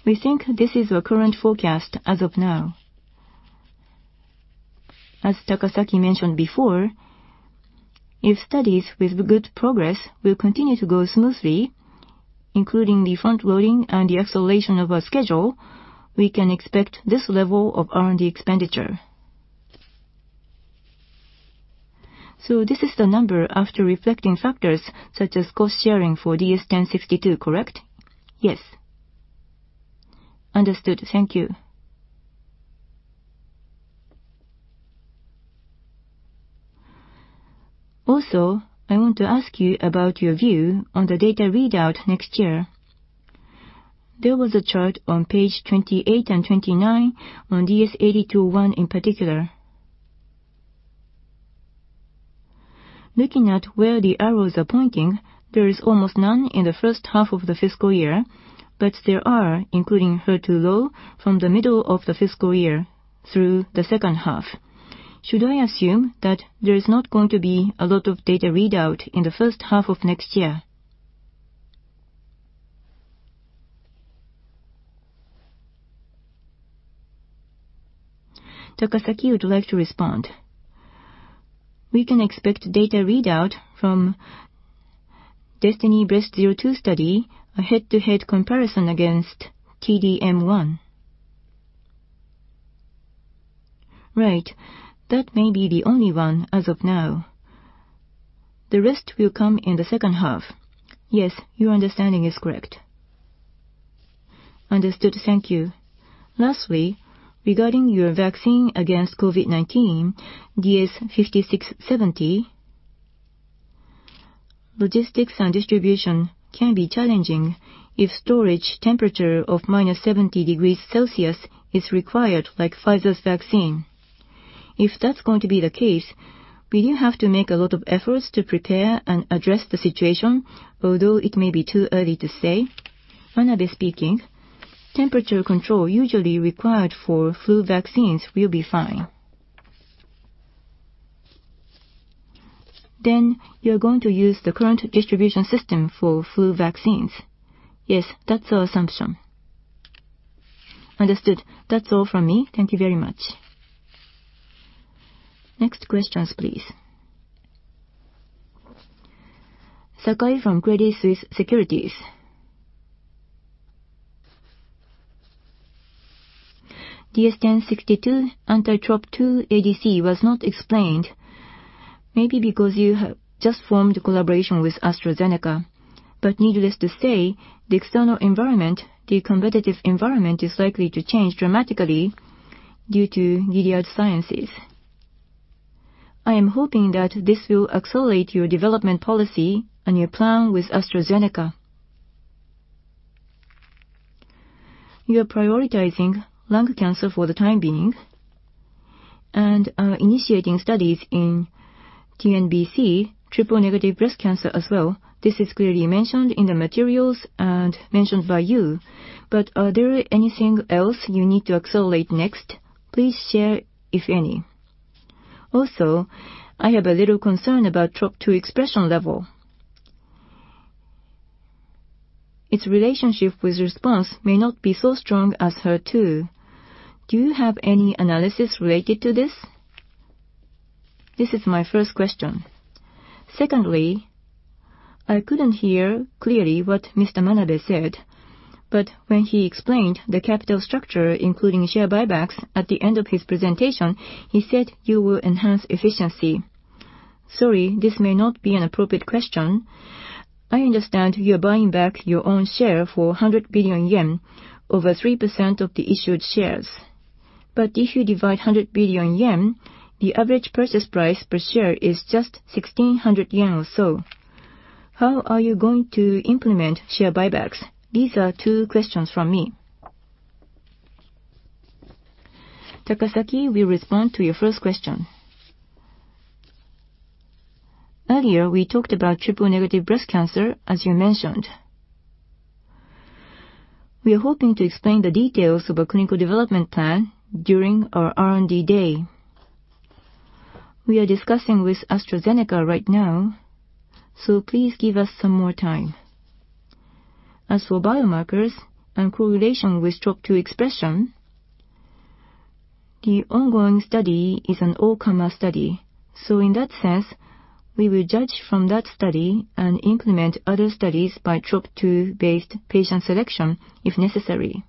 We think this is our current forecast as of now. As Takasaki mentioned before, if studies with good progress will continue to go smoothly, including the front-loading and the acceleration of our schedule, we can expect this level of R&D expenditure. This is the number after reflecting factors such as cost-sharing for DS-1062, correct? Yes. Understood. Thank you. I want to ask you about your view on the data readout next year. There was a chart on page 28 and 29 on DS-8201 in particular. Looking at where the arrows are pointing, there is almost none in the first half of the fiscal year, but there are, including HER2-low, from the middle of the fiscal year through the second half. Should I assume that there is not going to be a lot of data readout in the first half of next year? Takasaki would like to respond. We can expect data readout from DESTINY-Breast02 study, a head-to-head comparison against T-DM1. Right. That may be the only one as of now. The rest will come in the second half. Yes. Your understanding is correct. Understood. Thank you. Lastly, regarding your vaccine against COVID-19, DS-5670, logistics and distribution can be challenging if storage temperature of -70 degrees Celsius is required like Pfizer's vaccine. If that's going to be the case, we do have to make a lot of efforts to prepare and address the situation, although it may be too early to say. Manabe speaking. Temperature control usually required for flu vaccines will be fine. You're going to use the current distribution system for flu vaccines? Yes, that's our assumption. Understood. That is all from me. Thank you very much. Next questions, please. Sakai from Credit Suisse Securities. DS-1062 anti-TROP2 ADC was not explained, maybe because you have just formed a collaboration with AstraZeneca. Needless to say, the external environment, the competitive environment, is likely to change dramatically due to Gilead Sciences. I am hoping that this will accelerate your development policy and your plan with AstraZeneca. You are prioritizing lung cancer for the time being and are initiating studies in TNBC, triple-negative breast cancer, as well. This is clearly mentioned in the materials and mentioned by you, are there anything else you need to accelerate next? Please share if any. I have a little concern about TROP2 expression level. Its relationship with response may not be so strong as HER2. Do you have any analysis related to this? This is my first question. Secondly, I couldn't hear clearly but when he explained the capital structure, including share buybacks at the end of his presentation, he said you will enhance efficiency. Sorry, this may not be an appropriate question. I understand you're buying back your own share for 100 billion yen, over 3% of the issued shares. If you divide 100 billion yen, the average purchase price per share is just 1,600 yen or so. How are you going to implement share buybacks? These are two questions from me. Takasaki will respond to your first question. Earlier, we talked about triple-negative breast cancer, as you mentioned. We are hoping to explain the details of our clinical development plan during our R&D Day. We are discussing with AstraZeneca right now, please give us some more time. As for biomarkers and correlation with TROP2 expression, the ongoing study is an all-comer study. In that sense, we will judge from that study and implement other studies by TROP2-based patient selection if necessary.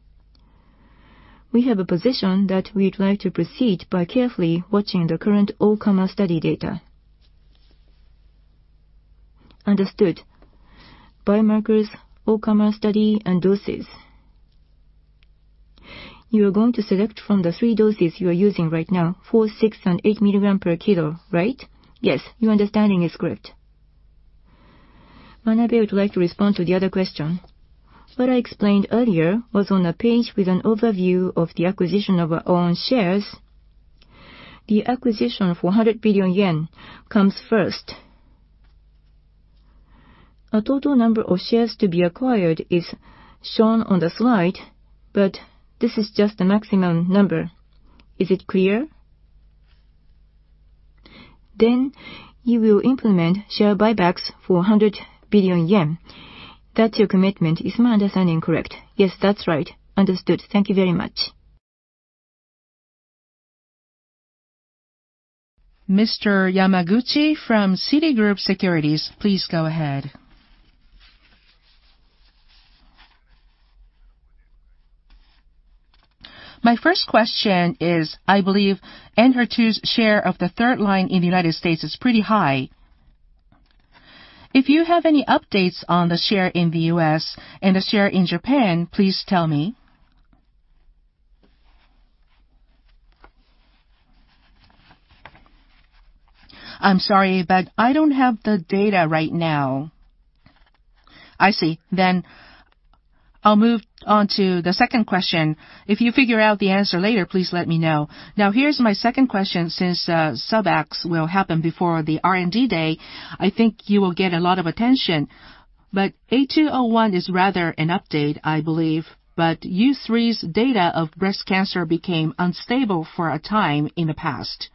We have a position that we'd like to proceed by carefully watching the current all-comer study data. Understood. Biomarkers, all-comer study, and doses. You are going to select from the three doses you are using right now, four, six, and 8 milligram per kilo, right? Yes, your understanding is correct. Manabe would like to respond to the other question. What I explained earlier was on a page with an overview of the acquisition of our own shares. The acquisition of JPY 100 billion comes first. A total number of shares to be acquired is shown on the slide, but this is just the maximum number. Is it clear? You will implement share buybacks for 100 billion yen. That's your commitment. Is my understanding correct? Yes, that's right. Understood. Thank you very much. Mr. Yamaguchi from Citigroup Securities, please go ahead. My first question is, I believe ENHERTU's share of the third line in the U.S. is pretty high. If you have any updates on the share in the U.S. and the share in Japan, please tell me. I'm sorry, I don't have the data right now. I see. I'll move on to the second question. If you figure out the answer later, please let me know. Here's my second question. SABCS will happen before the R&D Day, I think you will get a lot of attention. 8201 is rather an update, I believe. U3's data of breast cancer became unstable for a time in the past.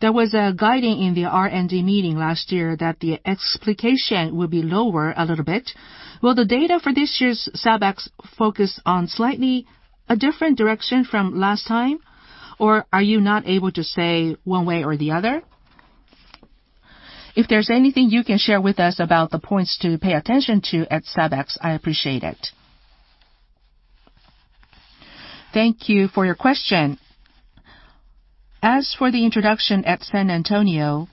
There was a guiding in the R&D meeting last year that the expectation will be lower a little bit. Will the data for this year's SABCS focus on slightly a different direction from last time, or are you not able to say one way or the other? If there's anything you can share with us about the points to pay attention to at SABCS, I appreciate it. Thank you for your question. As for the introduction at San Antonio,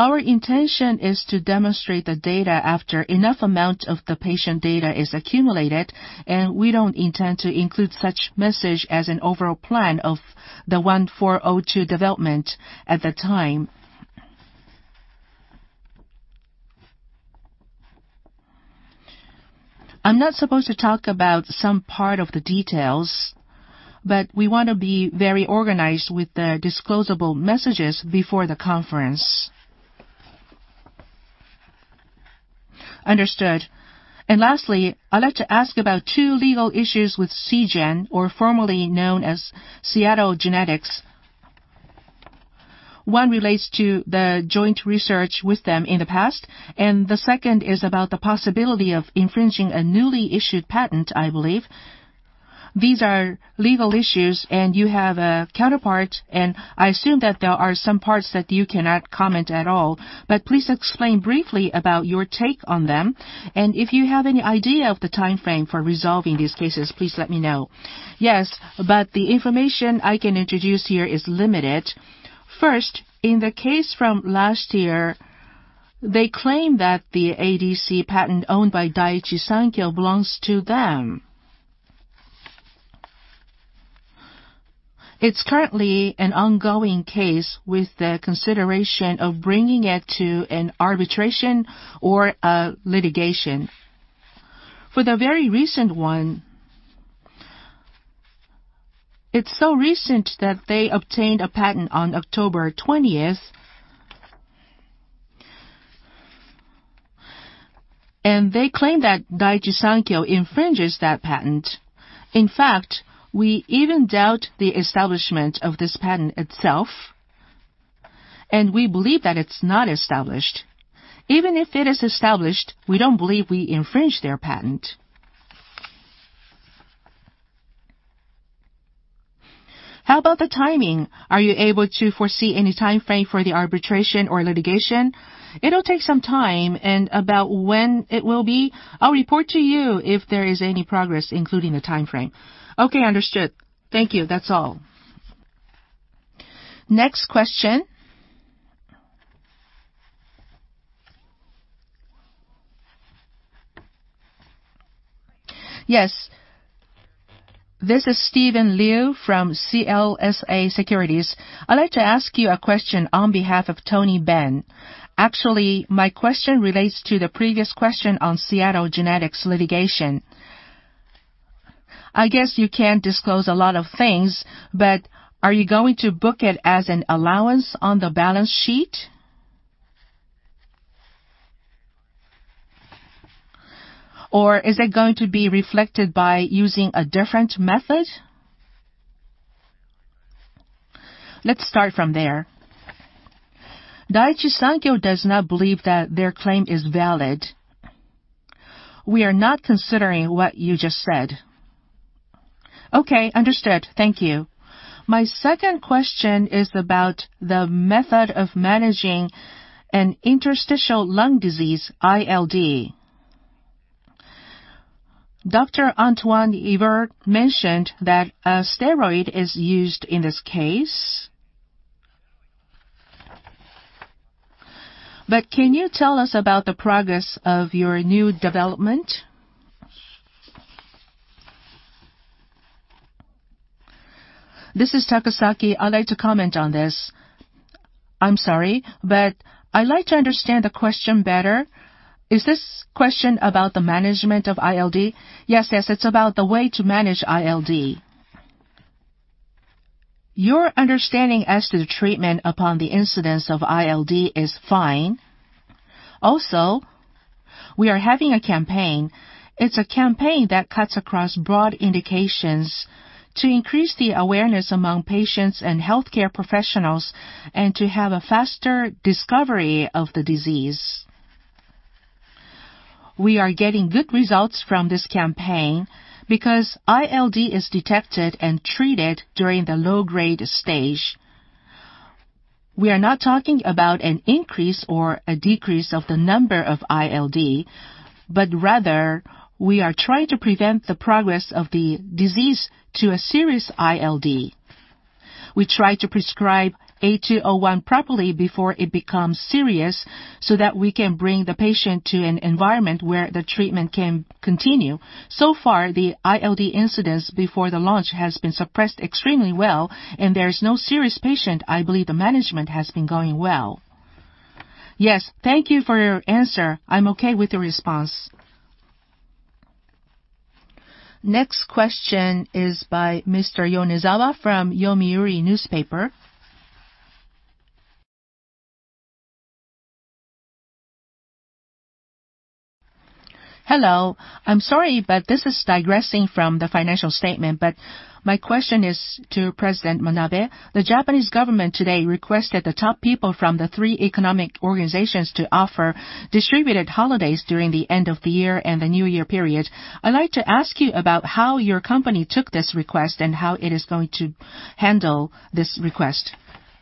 our intention is to demonstrate the data after enough amount of the patient data is accumulated, and we don't intend to include such message as an overall plan of the 1402 development at that time. I'm not supposed to talk about some part of the details, but we want to be very organized with the disclosable messages before the conference. Understood. Lastly, I'd like to ask about two legal issues with Seagen, or formerly known as Seattle Genetics. One relates to the joint research with them in the past, and the second is about the possibility of infringing a newly issued patent, I believe. These are legal issues, and you have a counterpart, and I assume that there are some parts that you cannot comment at all. Please explain briefly about your take on them, and if you have any idea of the timeframe for resolving these cases, please let me know. Yes. The information I can introduce here is limited. First, in the case from last year, they claim that the ADC patent owned by Daiichi Sankyo belongs to them. It's currently an ongoing case with the consideration of bringing it to an arbitration or a litigation. For the very recent one, it's so recent that they obtained a patent on October 20th, and they claim that Daiichi Sankyo infringes that patent. In fact, we even doubt the establishment of this patent itself, and we believe that it's not established. Even if it is established, we don't believe we infringe their patent. How about the timing? Are you able to foresee any timeframe for the arbitration or litigation? It'll take some time, and about when it will be, I'll report to you if there is any progress, including the timeframe. Okay, understood. Thank you. That's all. Next question. Yes. This is Steven Liu from CLSA Securities. I'd like to ask you a question on behalf of Tony Ben. Actually, my question relates to the previous question on Seattle Genetics litigation. I guess you can't disclose a lot of things, but are you going to book it as an allowance on the balance sheet? Or is it going to be reflected by using a different method? Let's start from there. Daiichi Sankyo does not believe that their claim is valid. We are not considering what you just said. Okay, understood. Thank you. My second question is about the method of managing an interstitial lung disease, ILD. Dr. Antoine Yver mentioned that a steroid is used in this case. Can you tell us about the progress of your new development? This is Takasaki. I'd like to comment on this. I'm sorry, I'd like to understand the question better. Is this question about the management of ILD? Yes, it's about the way to manage ILD. Your understanding as to the treatment upon the incidence of ILD is fine. We are having a campaign. It's a campaign that cuts across broad indications to increase the awareness among patients and healthcare professionals and to have a faster discovery of the disease. We are getting good results from this campaign because ILD is detected and treated during the low-grade stage. We are not talking about an increase or a decrease of the number of ILD, but rather, we are trying to prevent the progress of the disease to a serious ILD. We try to prescribe A two oh one properly before it becomes serious so that we can bring the patient to an environment where the treatment can continue. So far, the ILD incidence before the launch has been suppressed extremely well and there is no serious patient. I believe the management has been going well. Yes. Thank you for your answer. I'm okay with the response. Next question is by Mr. Yonezawa from Yomiuri Newspaper. Hello. I'm sorry, but this is digressing from the financial statement, but my question is to President Manabe. The Japanese government today requested the top people from the three economic organizations to offer distributed holidays during the end of the year and the new year period. I'd like to ask you about how your company took this request and how it is going to handle this request.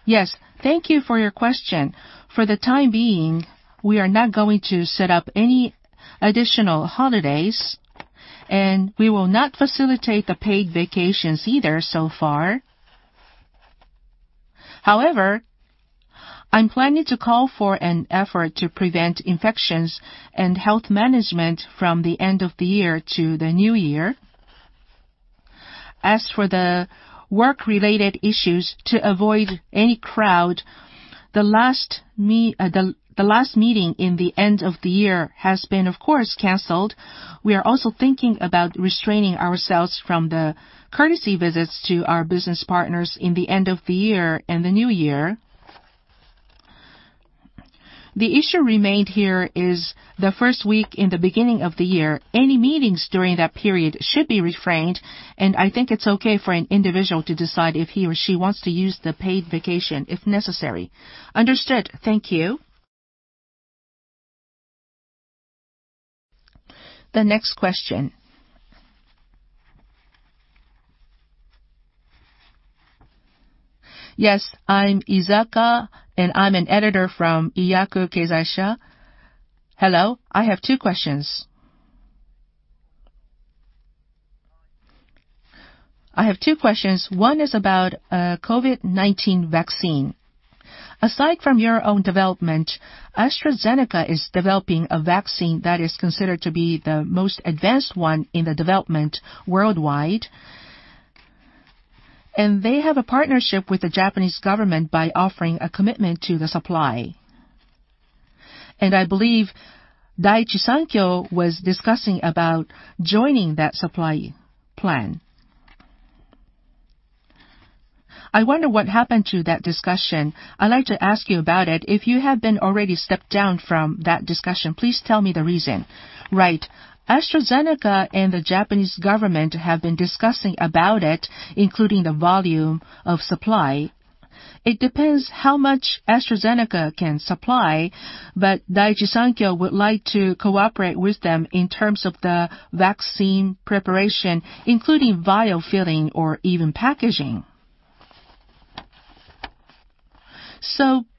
Yes. Thank you for your question. For the time being, we are not going to set up any additional holidays, and we will not facilitate the paid vacations either so far. However, I'm planning to call for an effort to prevent infections and health management from the end of the year to the new year. As for the work-related issues, to avoid any crowd, the last meeting in the end of the year has been, of course, canceled. We are also thinking about restraining ourselves from the courtesy visits to our business partners in the end of the year and the new year. The issue remained here is the first week in the beginning of the year. Any meetings during that period should be refrained, and I think it's okay for an individual to decide if he or she wants to use the paid vacation if necessary. Understood. Thank you. The next question. Yes, I'm Izaka, and I'm an editor from Iyaku Keizai Sha. Hello. I have two questions. One is about COVID-19 vaccine. Aside from your own development, AstraZeneca is developing a vaccine that is considered to be the most advanced one in the development worldwide, and they have a partnership with the Japanese government by offering a commitment to the supply. I believe Daiichi Sankyo was discussing about joining that supply plan. I wonder what happened to that discussion. I'd like to ask you about it. If you have been already stepped down from that discussion, please tell me the reason. Right. AstraZeneca and the Japanese government have been discussing about it, including the volume of supply. It depends how much AstraZeneca can supply, but Daiichi Sankyo would like to cooperate with them in terms of the vaccine preparation, including vial filling or even packaging.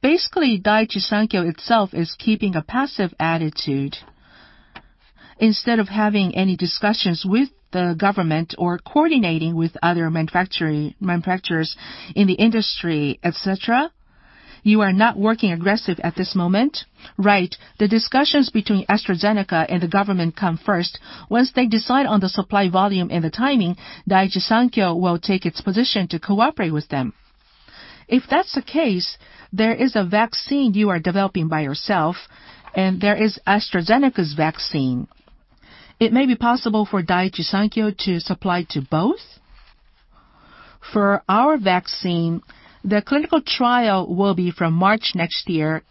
Basically, Daiichi Sankyo itself is keeping a passive attitude instead of having any discussions with the government or coordinating with other manufacturers in the industry, et cetera. You are not working aggressive at this moment? Right. The discussions between AstraZeneca and the government come first. Once they decide on the supply volume and the timing, Daiichi Sankyo will take its position to cooperate with them. If that's the case, there is a vaccine you are developing by yourself, and there is AstraZeneca's vaccine. It may be possible for Daiichi Sankyo to supply to both? For our vaccine, the clinical trial will be from March next year.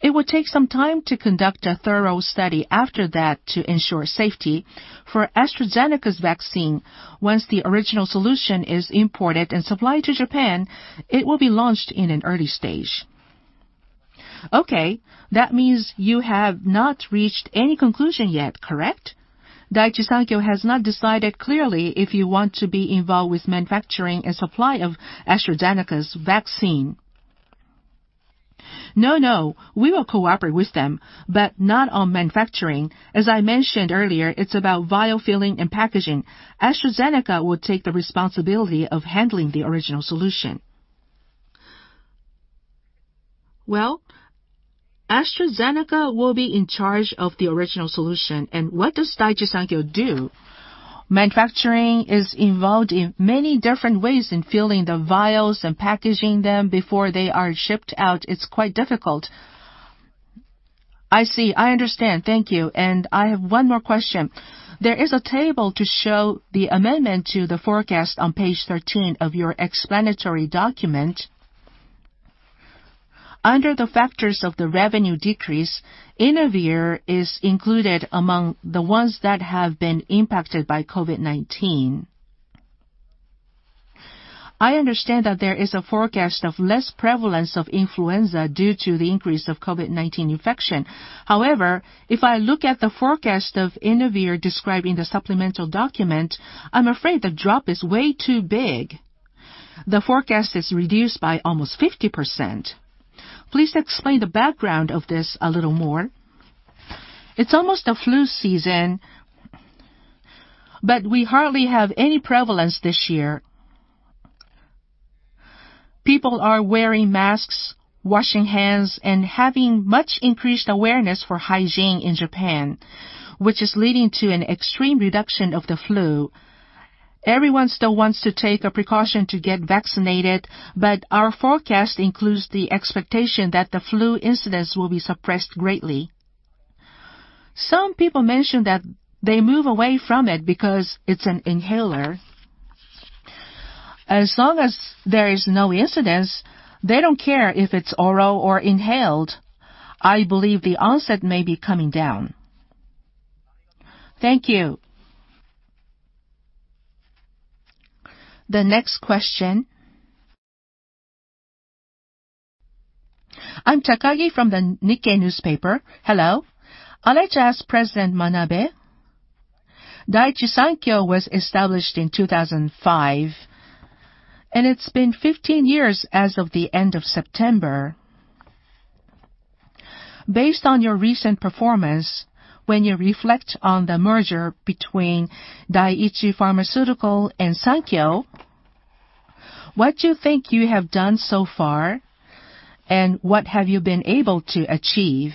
It would take some time to conduct a thorough study after that to ensure safety. For AstraZeneca's vaccine, once the original solution is imported and supplied to Japan, it will be launched in an early stage. Okay. That means you have not reached any conclusion yet, correct? Daiichi Sankyo has not decided clearly if you want to be involved with manufacturing and supply of AstraZeneca's vaccine. No, no. We will cooperate with them, but not on manufacturing. As I mentioned earlier, it's about vial filling and packaging. AstraZeneca will take the responsibility of handling the original solution. Well, AstraZeneca will be in charge of the original solution. What does Daiichi Sankyo do? Manufacturing is involved in many different ways in filling the vials and packaging them before they are shipped out. It's quite difficult. I see. I understand. Thank you. I have one more question. There is a table to show the amendment to the forecast on page 13 of your explanatory document. Under the factors of the revenue decrease, Inavir is included among the ones that have been impacted by COVID-19. I understand that there is a forecast of less prevalence of influenza due to the increase of COVID-19 infection. If I look at the forecast of Inavir described in the supplemental document, I'm afraid the drop is way too big. The forecast is reduced by almost 50%. Please explain the background of this a little more. It's almost the flu season, but we hardly have any prevalence this year. People are wearing masks, washing hands, and having much increased awareness for hygiene in Japan, which is leading to an extreme reduction of the flu. Everyone still wants to take a precaution to get vaccinated, but our forecast includes the expectation that the flu incidence will be suppressed greatly. Some people mention that they move away from it because it's an inhaler. As long as there is no incidence, they don't care if it's oral or inhaled. I believe the onset may be coming down. Thank you. The next question. I'm Takagi from the Nikkei newspaper. Hello. I'd like to ask President Manabe. Daiichi Sankyo was established in 2005, and it's been 15 years as of the end of September. Based on your recent performance, when you reflect on the merger between Daiichi Pharmaceutical and Sankyo, what do you think you have done so far, and what have you been able to achieve?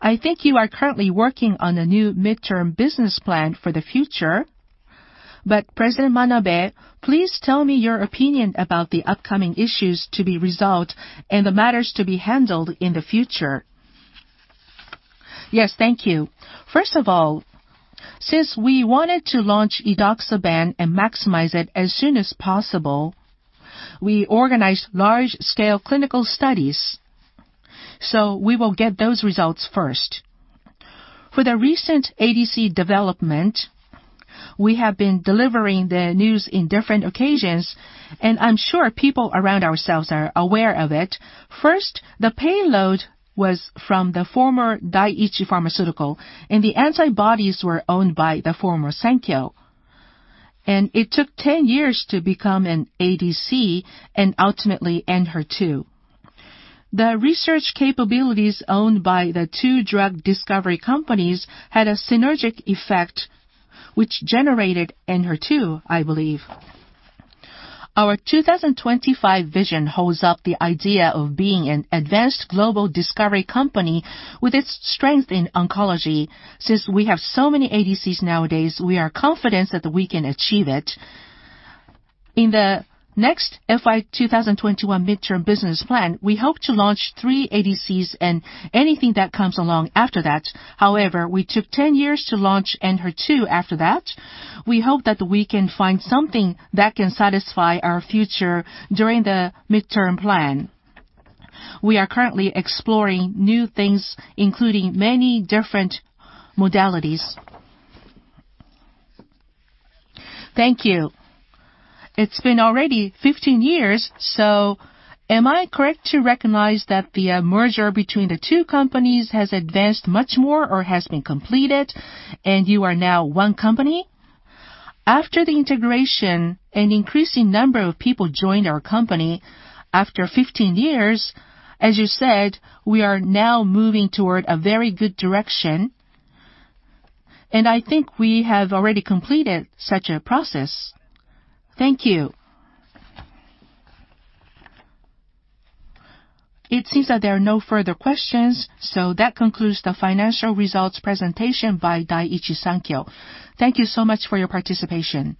I think you are currently working on a new midterm business plan for the future. President Manabe, please tell me your opinion about the upcoming issues to be resolved and the matters to be handled in the future. Yes. Thank you. First of all, since we wanted to launch edoxaban and maximize it as soon as possible, we organized large-scale clinical studies. We will get those results first. For the recent ADC development, we have been delivering the news in different occasions, and I'm sure people around ourselves are aware of it. First, the payload was from the former Daiichi Pharmaceutical, and the antibodies were owned by the former Sankyo. It took 10 years to become an ADC and ultimately ENHERTU. The research capabilities owned by the two drug discovery companies had a synergic effect, which generated ENHERTU, I believe. Our 2025 vision holds up the idea of being an advanced global discovery company with its strength in oncology. Since we have so many ADCs nowadays, we are confident that we can achieve it. In the next FY 2021 midterm business plan, we hope to launch three ADCs and anything that comes along after that. We took 10 years to launch ENHERTU after that. We hope that we can find something that can satisfy our future during the midterm plan. We are currently exploring new things, including many different modalities. Thank you. It's been already 15 years, am I correct to recognize that the merger between the two companies has advanced much more or has been completed and you are now one company? After the integration, an increasing number of people joined our company. After 15 years, as you said, we are now moving toward a very good direction, and I think we have already completed such a process. Thank you. It seems that there are no further questions, so that concludes the financial results presentation by Daiichi Sankyo. Thank you so much for your participation.